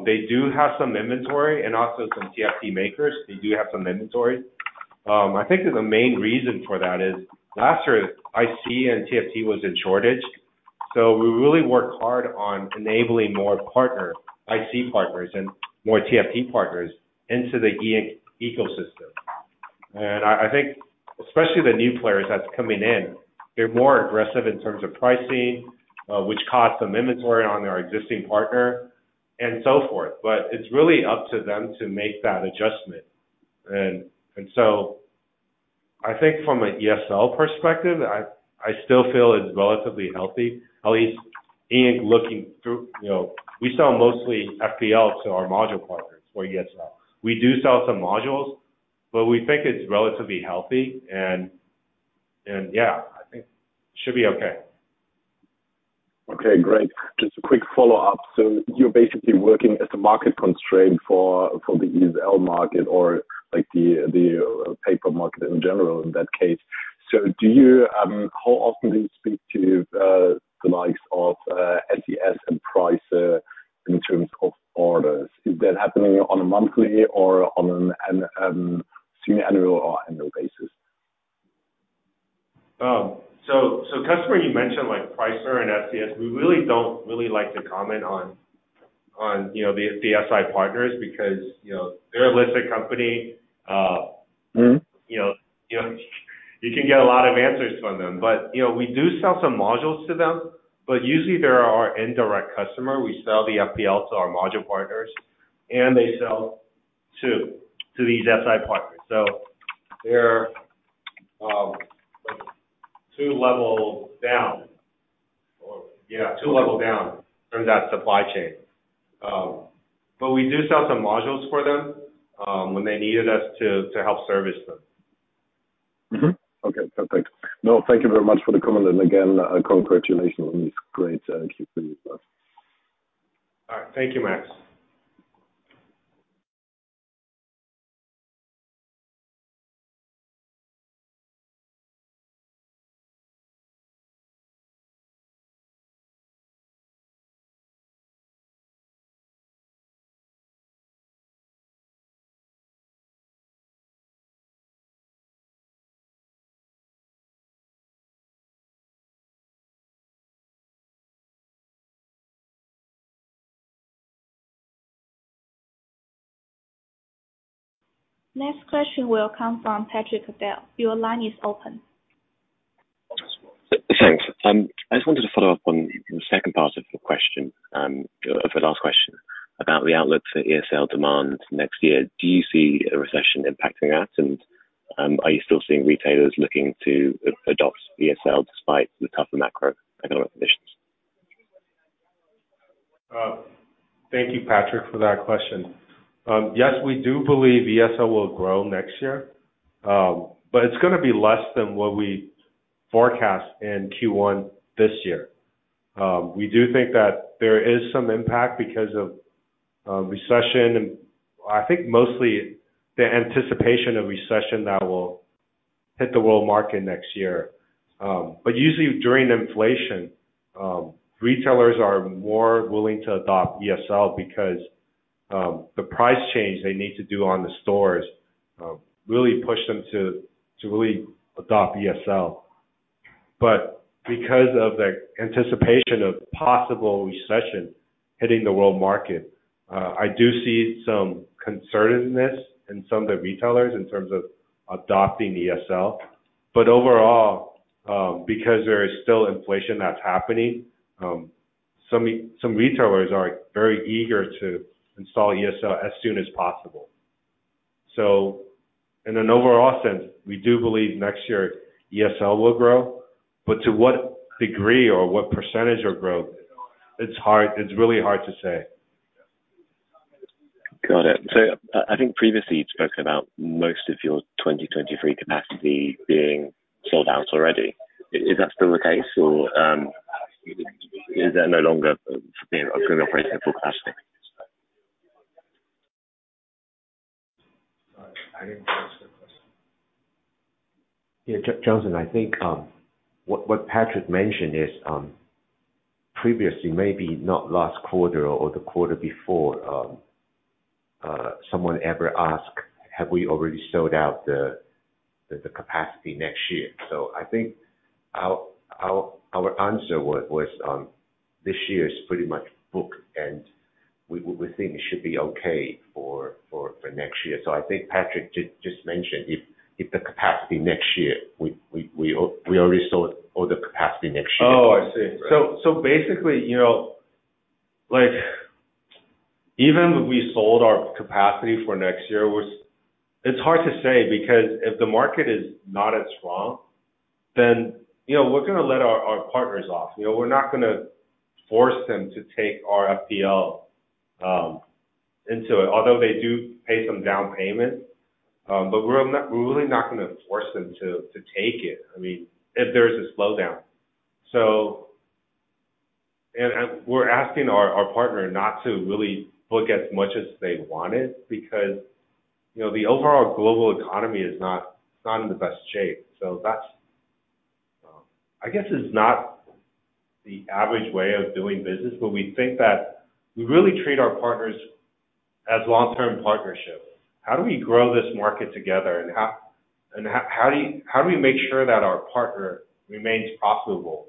they do have some inventory and also some TFT makers they do have some inventory. I think that the main reason for that is last year IC and TFT was in shortage, so we really worked hard on enabling more partner, IC partners and more TFT partners into the E Ink ecosystem. I think especially the new players that's coming in, they're more aggressive in terms of pricing, which caused some inventory on our existing partner and so forth. It's really up to them to make that adjustment. I think from an ESL perspective, I still feel it's relatively healthy, at least in looking through. You know, we sell mostly FPL to our module partners for ESL. We do sell some modules, but we think it's relatively healthy and yeah, I think should be okay. Okay, great. Just a quick follow-up. You're basically working as a market constraint for the ESL market or like the paper market in general in that case. How often do you speak to the likes of SES-imagotag and Pricer in terms of orders? Is that happening on a monthly or on a semi-annual or annual basis? Customer you mentioned like Pricer and SES-imagotag, we really don't really like to comment on, you know, the SI partners because, you know, they're a listed company. Mm-hmm. You know, you can get a lot of answers from them. You know, we do sell some modules to them, but usually they're our indirect customer. We sell the FPL to our module partners, and they sell to these SI partners. They're, like two levels down. Yeah, two levels down from that supply chain. We do sell some modules for them, when they needed us to help service them. Mm-hmm. Okay. Perfect. No, thank you very much for the comment. Again, congratulations on this great Q3 as well. All right. Thank you, Max. Next question will come from Patrick Bell. Your line is open. Thanks. I just wanted to follow up on the second part of your question of the last question about the outlook for ESL demand next year. Do you see a recession impacting that? Are you still seeing retailers looking to adopt ESL despite the tougher macroeconomic conditions? Thank you, Patrick, for that question. Yes, we do believe ESL will grow next year, but it's gonna be less than what we forecast in Q1 this year. We do think that there is some impact because of recession and I think mostly the anticipation of recession that will hit the world market next year. Usually during inflation, retailers are more willing to adopt ESL because the price change they need to do on the stores really push them to really adopt ESL. Because of the anticipation of possible recession hitting the world market, I do see some concern in this in some of the retailers in terms of adopting ESL. Overall, because there is still inflation that's happening, some retailers are very eager to install ESL as soon as possible. In an overall sense, we do believe next year ESL will grow, but to what degree or what percentage of growth, it's really hard to say. Got it. I think previously you'd spoken about most of your 2023 capacity being sold out already. Is that still the case or is there no longer being a good operational capacity? Sorry, I didn't understand the question. Yeah, Johnson, I think what Patrick mentioned is previously, maybe not last quarter or the quarter before, someone ever asked, have we already sold out the capacity next year? I think our answer was this year is pretty much booked, and we think it should be okay for next year. I think Patrick just mentioned if the capacity next year, we already sold all the capacity next year. Oh, I see. Right. Basically, you know, like, even if we sold our capacity for next year, it's hard to say because if the market is not as strong, then, you know, we're gonna let our partners off. You know, we're not gonna force them to take our FPL into it, although they do pay some down payment. We're really not gonna force them to take it, I mean, if there's a slowdown. We're asking our partner not to really book as much as they wanted because, you know, the overall global economy is not in the best shape. That's, I guess it's not the average way of doing business, but we think that we really treat our partners as long-term partnership. How do we grow this market together and how do we make sure that our partner remains profitable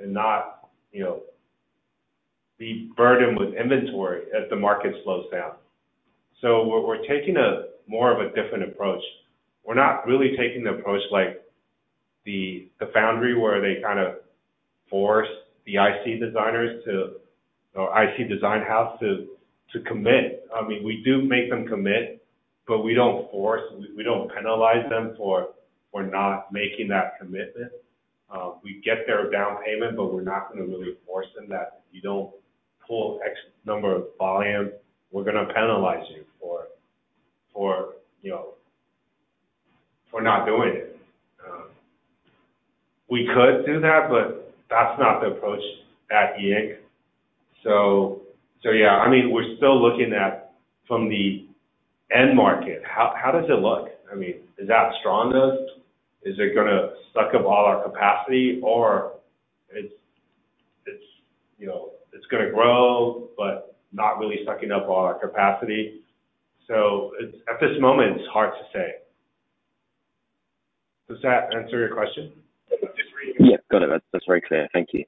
and not, you know, the burden with inventory as the market slows down? We're taking a more of a different approach. We're not really taking the approach like the foundry, where they kind of force the IC design house to commit. I mean, we do make them commit, but we don't force, we don't penalize them for not making that commitment. We get their down payment, but we're not gonna really force them that, "You don't pull X number of volume, we're gonna penalize you for, you know, not doing it." We could do that, but that's not the approach at E Ink. Yeah, I mean, we're still looking at from the end market. How does it look? I mean, is that strong enough? Is it gonna suck up all our capacity or, you know, it's gonna grow, but not really sucking up all our capacity? At this moment, it's hard to say. Does that answer your question? Yeah. Got it. That's very clear. Thank you.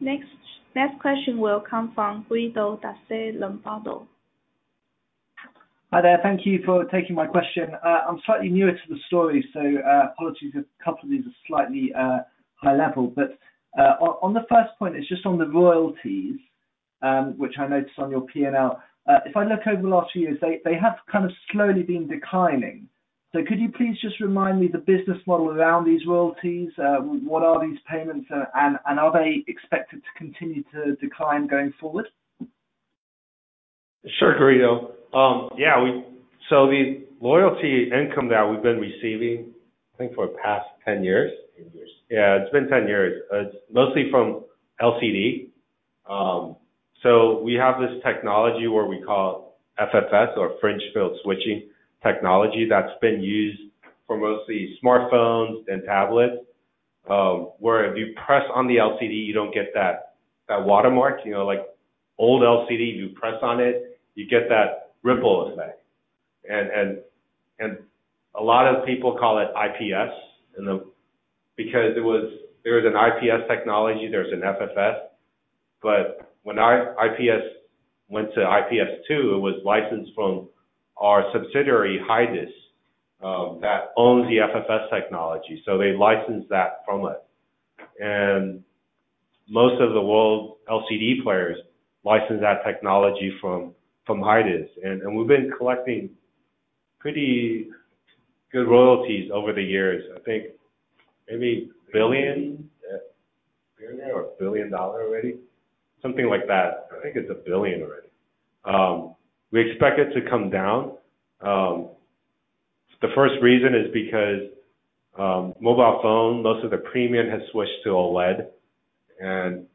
Next question will come from Guido. Hi there. Thank you for taking my question. I'm slightly newer to the story, so apologies if a couple of these are slightly high level. On the first point, it's just on the royalties, which I noticed on your P&L. If I look over the last few years, they have kind of slowly been declining. Could you please just remind me the business model around these royalties? What are these payments? Are they expected to continue to decline going forward? Sure, Guido. Yeah, the royalty income that we've been receiving, I think for the past 10 years. 10 years. Yeah, it's been 10 years. It's mostly from LCD. We have this technology where we call FFS or Fringe Field Switching technology that's been used for mostly smartphones and tablets where if you press on the LCD, you don't get that watermark. You know, like old LCD, you press on it, you get that ripple effect. A lot of people call it IPS because there was an IPS technology, there's an FFS. When our IPS went to IPS two, it was licensed from our subsidiary, Hydis, that owns the FFS technology. They licensed that from us. Most of the world LCD players license that technology from Hydis. We've been collecting pretty good royalties over the years. I think maybe 1 billion. Yeah. Billion-dollar already. Something like that. I think it's 1 billion already. We expect it to come down. The first reason is because mobile phone, most of the premium has switched to OLED. Most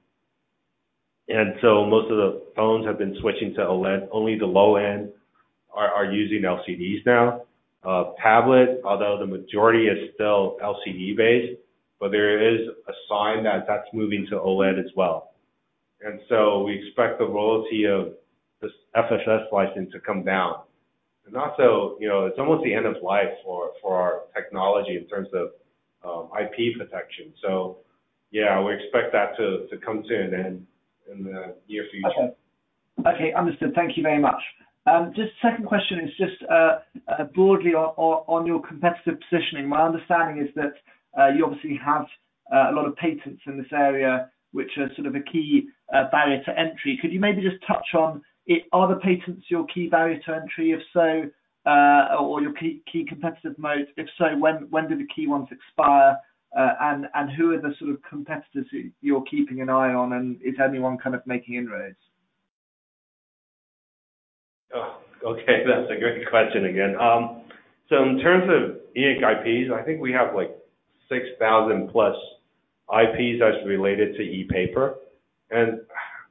of the phones have been switching to OLED. Only the low-end are using LCDs now. Tablet, although the majority is still LCD-based, but there is a sign that that's moving to OLED as well. We expect the royalty of this FFS license to come down. Also, you know, it's almost the end of life for our technology in terms of IP protection. Yeah, we expect that to come soon in the near future. Okay. Okay, understood. Thank you very much. Just second question is just broadly on your competitive positioning. My understanding is that you obviously have a lot of patents in this area, which are sort of a key barrier to entry. Could you maybe just touch on are the patents your key barrier to entry? If so, or your key competitive moat? If so, when do the key ones expire? Who are the sort of competitors you're keeping an eye on, and is anyone kind of making inroads? Oh, okay. That's a great question again. In terms of E Ink IPs, I think we have, like, 6,000+ IPs as related to ePaper.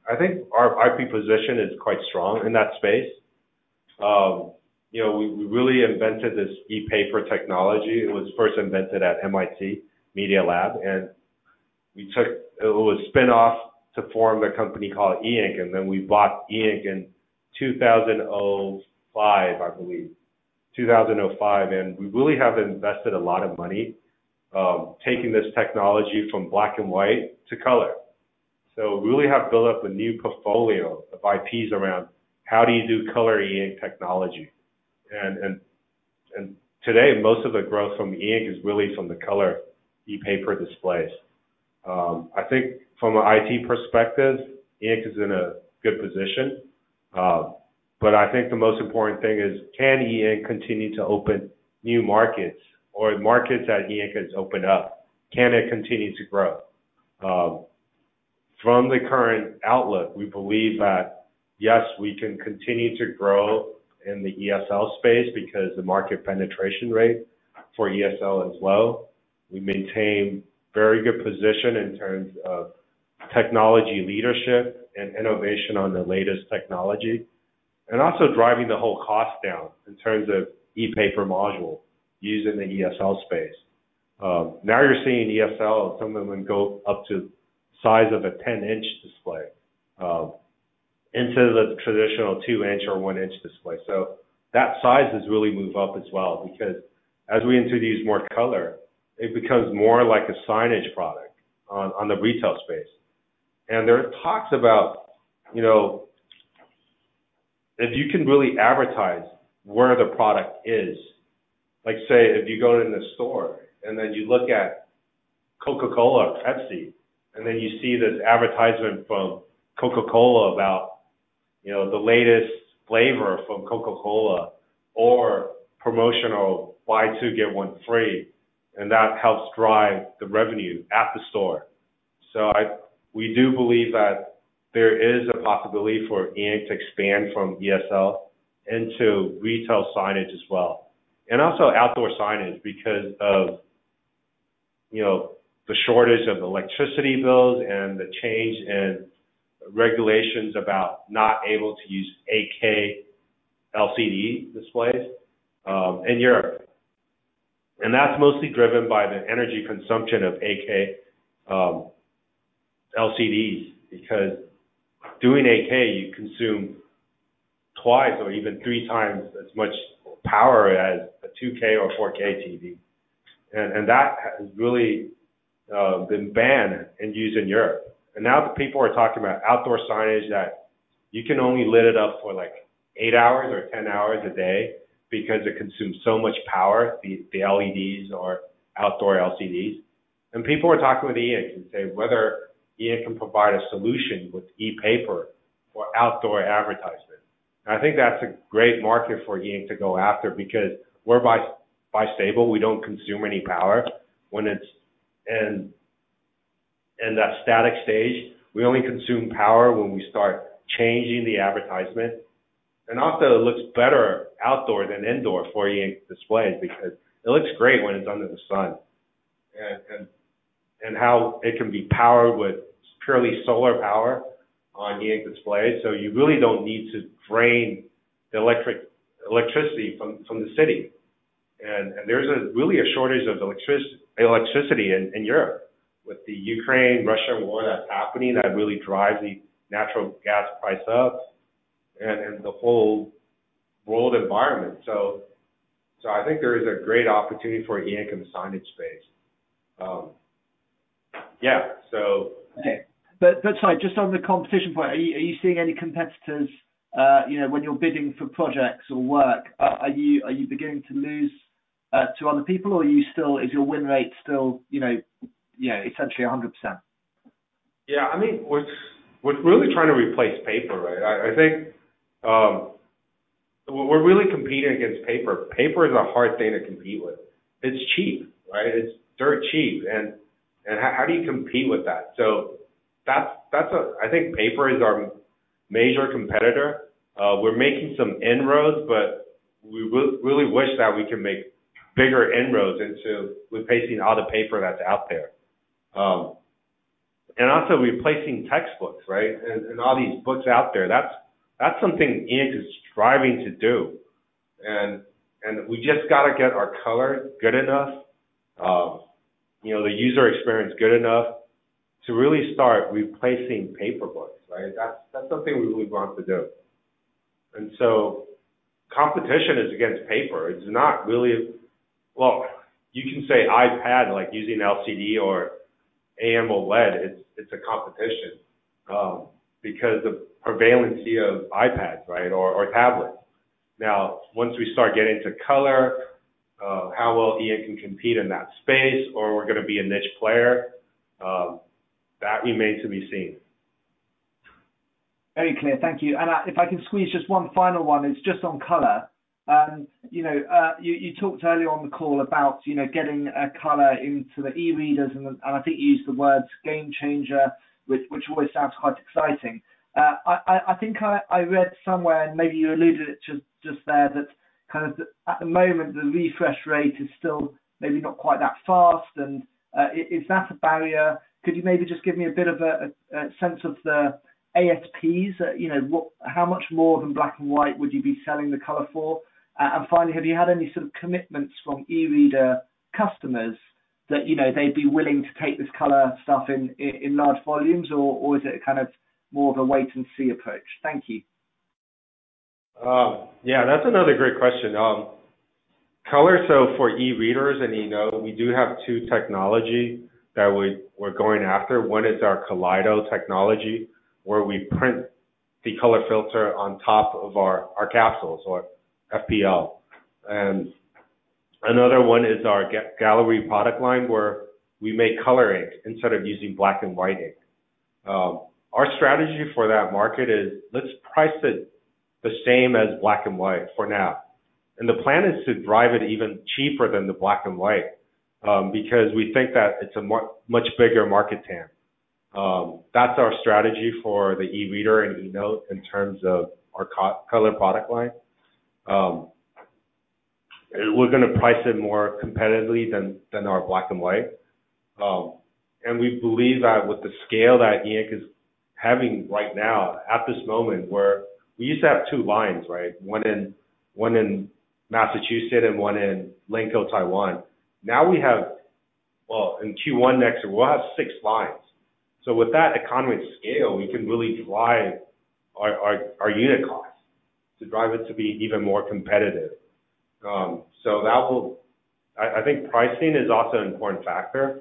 I think our IP position is quite strong in that space. You know, we really invented this ePaper technology. It was first invented at MIT Media Lab. It was a spinoff to form a company called E Ink. We bought E Ink in 2005, I believe. 2005. We really have invested a lot of money taking this technology from black and white to color. We really have built up a new portfolio of IPs around how do you do color E Ink technology. Today most of the growth from E Ink is really from the color ePaper displays. I think from an I.P. perspective, E Ink is in a good position. I think the most important thing is, can E Ink continue to open new markets or markets that E Ink has opened up? Can it continue to grow? From the current outlook, we believe that, yes, we can continue to grow in the ESL space because the market penetration rate for ESL is low. We maintain very good position in terms of technology leadership and innovation on the latest technology, and also driving the whole cost down in terms of ePaper module used in the ESL space. Now you're seeing ESL, some of them go up to size of a 10-inch display instead of the traditional two-inch or one-inch display. That size has really moved up as well because as we introduce more color, it becomes more like a signage product on the retail space. There are talks about, you know, if you can really advertise where the product is. Like say, if you go in a store and then you look at Coca-Cola or Pepsi, and then you see this advertisement from Coca-Cola about, you know, the latest flavor from Coca-Cola or promotional buy two, get one free, and that helps drive the revenue at the store. We do believe that there is a possibility for E Ink to expand from ESL into retail signage as well, and also outdoor signage because of, you know, the shortage of electricity bills and the change in regulations about not able to use 8K LCD displays in Europe. That's mostly driven by the energy consumption of 8K LCDs, because doing 8K, you consume twice or even 3 times as much power as a 2K or 4K TV. That has really been banned and used in Europe. Now the people are talking about outdoor signage that you can only lit it up for like 8 hours or 10 hours a day because it consumes so much power, the LEDs or outdoor LCDs. People are talking with E Ink and say whether E Ink can provide a solution with ePaper for outdoor advertisement. I think that's a great market for E Ink to go after because we're bistable, we don't consume any power when it's in that static stage. We only consume power when we start changing the advertisement. Also it looks better outdoor than indoor for E Ink displays because it looks great when it's under the sun. How it can be powered with purely solar power on E Ink displays. You really don't need to drain the electricity from the city. There's really a shortage of electricity in Europe with the Ukraine-Russia war that's happening that really drives the natural gas price up and the whole world environment. I think there is a great opportunity for E Ink in the signage space. Yeah. Okay. Sorry, just on the competition point, are you seeing any competitors, you know, when you're bidding for projects or work? Are you beginning to lose to other people, or is your win rate still, you know, essentially 100%? Yeah. I mean, we're really trying to replace paper, right? I think we're really competing against paper. Paper is a hard thing to compete with. It's cheap, right? It's dirt cheap. How do you compete with that? I think paper is our major competitor. We're making some inroads, but we really wish that we can make bigger inroads into replacing all the paper that's out there. Also replacing textbooks, right? All these books out there. That's something E Ink is striving to do. We just got to get our color good enough, you know, the user experience good enough to really start replacing paper books, right? That's something we really want to do. Competition is against paper. Well, you can say iPad, like using LCD or AMOLED or LED. It's a competition because the prevalency of iPads, right? Tablets. Now, once we start getting to color, how well E Ink can compete in that space or we're gonna be a niche player, that remains to be seen. Very clear. Thank you. If I can squeeze just one final one is just on color. You know, you talked earlier on the call about, you know, getting color into the eReaders and I think you used the words game changer, which always sounds quite exciting. I think I read somewhere and maybe you alluded it just there that kind of at the moment, the refresh rate is still maybe not quite that fast. Is that a barrier? Could you maybe just give me a bit of a sense of the ASPs, you know, how much more than black and white would you be selling the color for? Finally, have you had any sort of commitments from eReader customers that, you know, they'd be willing to take this color stuff in large volumes? Is it kind of more of a wait and see approach? Thank you. Yeah, that's another great question. Color, for eReaders and eNote, we do have two technology that we're going after. One is our Kaleido technology, where we print the color filter on top of our capsules or FPL. Another one is our Gallery product line, where we make color ink instead of using black and white ink. Our strategy for that market is, let's price it the same as black and white for now. The plan is to drive it even cheaper than the black and white, because we think that it's a much bigger market TAM. That's our strategy for the eReader and eNote in terms of our color product line. We're gonna price it more competitively than our black and white. We believe that with the scale that E Ink is having right now at this moment, where we used to have two lines, right, one in Massachusetts and one in Linkou, Taiwan. Now we have, well, in Q1 next year, we'll have six lines. With that economy scale, we can really drive our unit costs, to drive it to be even more competitive. I think pricing is also an important factor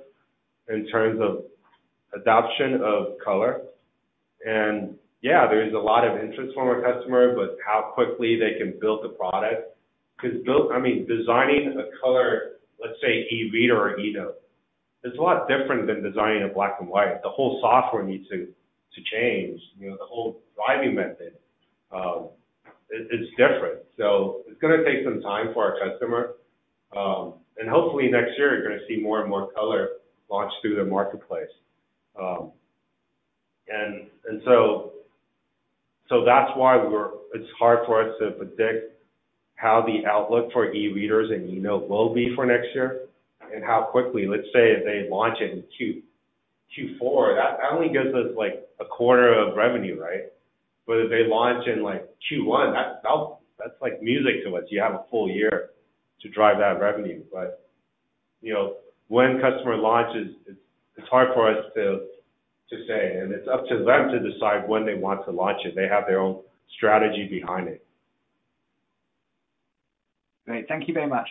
in terms of adoption of color. Yeah, there's a lot of interest from our customer, but how quickly they can build the product. 'Cause, I mean, designing a color, let's say eReader or eNote, is a lot different than designing a black and white. The whole software needs to change. You know, the whole driving method, it's different. It's gonna take some time for our customer, and hopefully next year you're gonna see more and more color launch through the marketplace. It's hard for us to predict how the outlook for eReaders and eNote will be for next year and how quickly. Let's say, if they launch it in Q4, that only gives us, like, a quarter of revenue, right? If they launch in, like, Q1, that's like music to us. You have a full year to drive that revenue. You know, when customer launches, it's hard for us to say, and it's up to them to decide when they want to launch it. They have their own strategy behind it. Great. Thank you very much.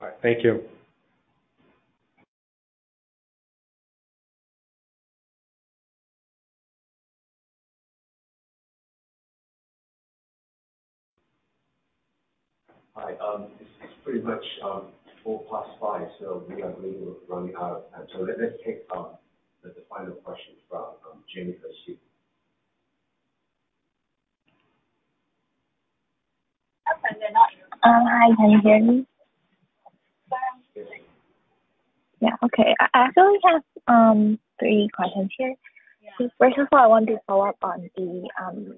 All right. Thank you. Hi. It's pretty much 4 past 5, so we are really running out of time. Let's take the final question from Jennifer. Hi, can you hear me? Yeah, okay. I actually have three questions here. Yeah. First of all, I want to follow up on the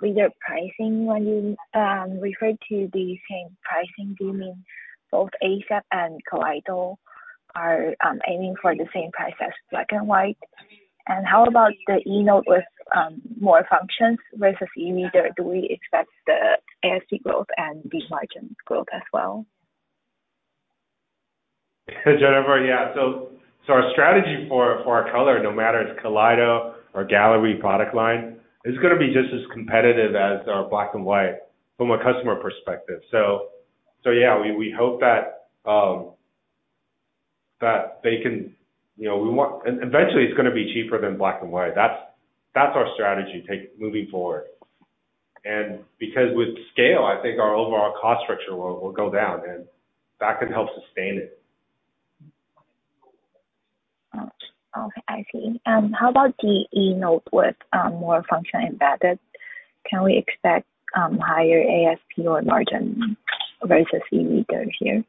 reader pricing. When you refer to the same pricing, do you mean both ACeP and Kaleido are aiming for the same price as black and white? How about the eNote with more functions versus eReader? Do we expect the ASP growth and the margin growth as well? Jennifer, yeah. Our strategy for our color, no matter it's Kaleido or Gallery product line, is gonna be just as competitive as our black and white from a customer perspective. Yeah, you know, eventually, it's gonna be cheaper than black and white. That's our strategy moving forward. Because with scale, I think our overall cost structure will go down, and that can help sustain it. Okay, I see. How about the eNote with more function embedded? Can we expect higher ASP or margin versus eReader here?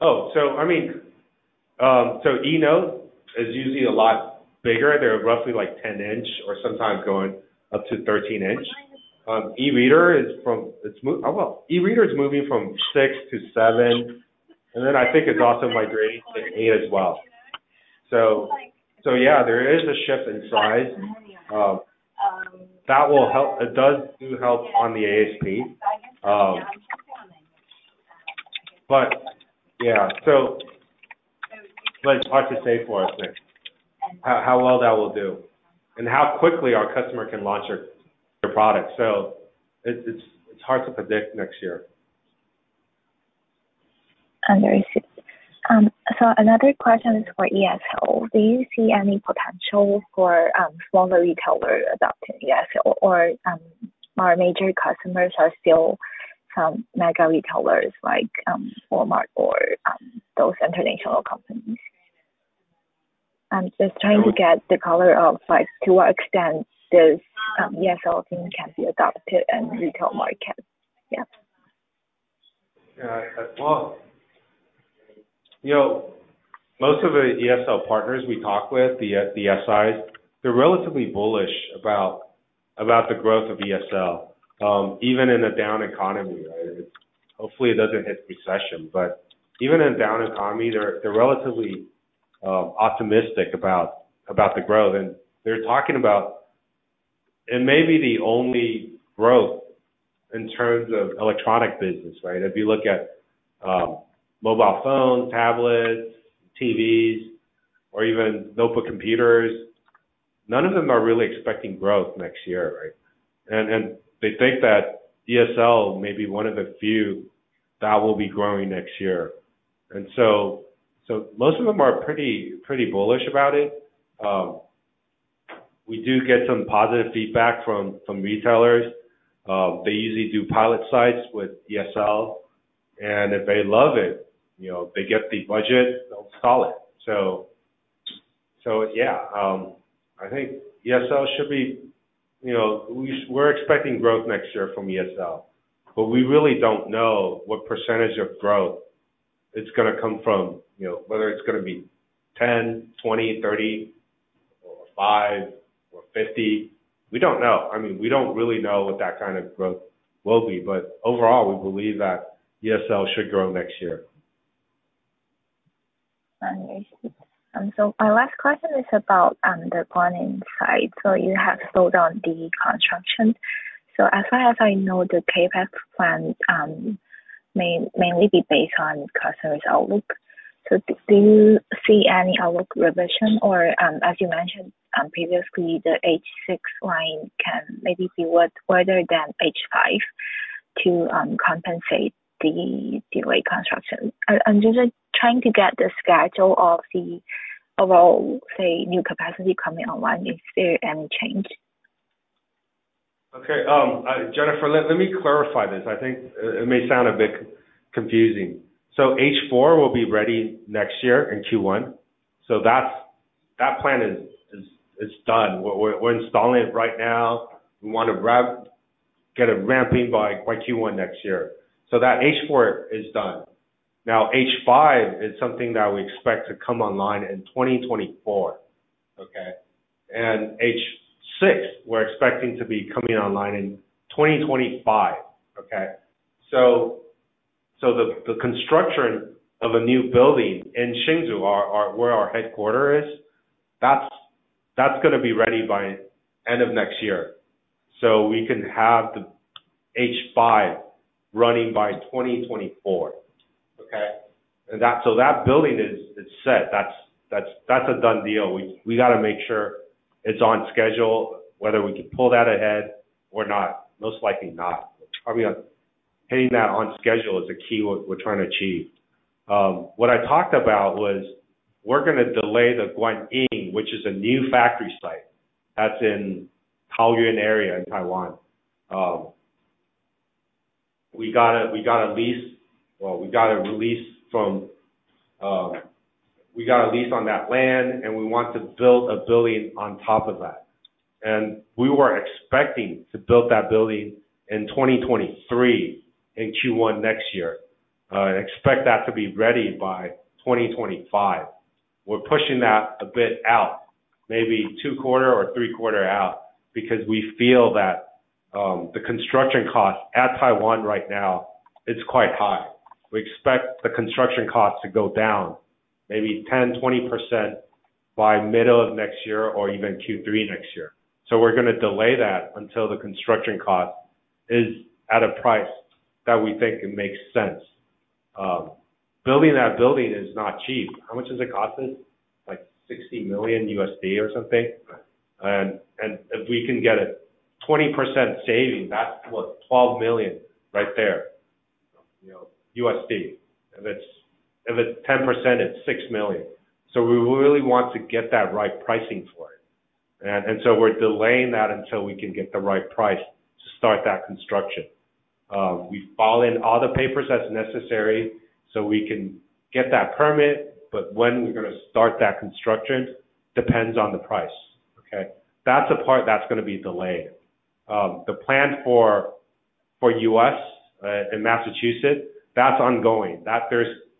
Oh, I mean, eNote is usually a lot bigger. They're roughly like 10 inch or sometimes going up to 13 inch. Well, eReader is moving from 6-7, and then I think it's also migrating to 8 as well. Yeah, there is a shift in size, it does do help on the ASP. It's hard to say for us next how well that will do and how quickly our customer can launch their product. It's hard to predict next year. Understood. Another question is for ESL. Do you see any potential for smaller retailer adopting ESL or our major customers are still some mega retailers like Walmart or those international companies? Just trying to get the color of, like, to what extent this ESL thing can be adopted in retail market. Yeah. Yeah. Well, you know, most of the ESL partners we talk with, the SIs, they're relatively bullish about the growth of ESL, even in a down economy, right? Hopefully, it doesn't hit recession, but even in down economy, they're relatively optimistic about the growth. They're talking about it may be the only growth in terms of electronic business, right? If you look at mobile phones, tablets, T.V.s or even notebook computers, none of them are really expecting growth next year, right? They think that ESL may be one of the few that will be growing next year. Most of them are pretty bullish about it. We do get some positive feedback from retailers. They usually do pilot sites with ESL, and if they love it, you know, they get the budget, they'll scale it. Yeah, you know, we're expecting growth next year from ESL, but we really don't know what percentage of growth it's gonna come from. You know, whether it's gonna be 10%, 20%, 30% or 5% or 50%, we don't know. I mean, we don't really know what that kind of growth will be. Overall, we believe that ESL should grow next year. Understood. My last question is about the Guanyin side. You have slowed down the construction. As far as I know, the CapEx plan mainly be based on customers' outlook. Do you see any outlook revision or, as you mentioned previously, the H6 line can maybe be wider than H5 to compensate the delayed construction? I'm just trying to get the schedule of the overall, say, new capacity coming online, if there are any change. Okay. Jennifer, let me clarify this. I think it may sound a bit confusing. H4 will be ready next year in Q1. That plan is done. We're installing it right now. We want to ramp, get it ramping by Q1 next year. That H4 is done. Now, H5 is something that we expect to come online in 2024. Okay? H6, we're expecting to be coming online in 2025. Okay? The construction of a new building in Hsinchu, where our headquarter is, that's gonna be ready by end of next year. We can have the H5 running by 2024. Okay? That building is set. That's a done deal. We gotta make sure it's on schedule, whether we can pull that ahead or not. Most likely not. I mean, hitting that on schedule is a key we're trying to achieve. What I talked about was we're gonna delay the Guanyin, which is a new factory site that's in Taoyuan area in Taiwan. Well, we got a lease on that land, and we want to build a building on top of that. We were expecting to build that building in 2023, in Q1 next year. Expect that to be ready by 2025. We're pushing that a bit out, maybe two quarter or three quarter out, because we feel that the construction cost at Taiwan right now, it's quite high. We expect the construction cost to go down maybe 10%-20% by middle of next year or even Q3 next year. We're gonna delay that until the construction cost is at a price that we think it makes sense. Building that building is not cheap. How much does it cost us? Like $60 million or something. If we can get a 20% saving, that's, what, $12 million right there, you know. If it's 10%, it's $6 million. We're delaying that until we can get the right price to start that construction. We file in all the papers that's necessary, so we can get that permit, but when we're gonna start that construction depends on the price. Okay? That's the part that's gonna be delayed. The plan for U.S. in Massachusetts, that's ongoing.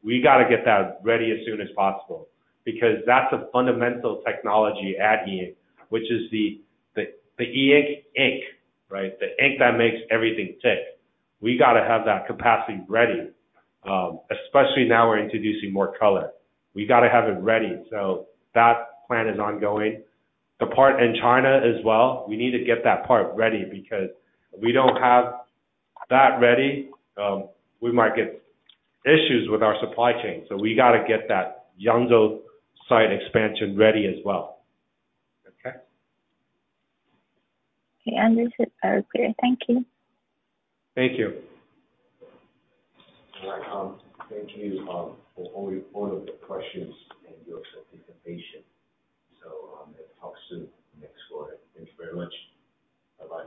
We gotta get that ready as soon as possible because that's a fundamental technology at E Ink, which is the E Ink ink, right? The ink that makes everything tick. We gotta have that capacity ready, especially now we're introducing more color. We gotta have it ready. That plan is ongoing. The part in China as well, we need to get that part ready because if we don't have that ready, we might get issues with our supply chain. We gotta get that Yangzhou site expansion ready as well. Okay? Okay. Understood. Clear. Thank you. Thank you. All right. Thank you for all of the questions and your participation. Let's talk soon next quarter. Thank you very much. Bye-bye.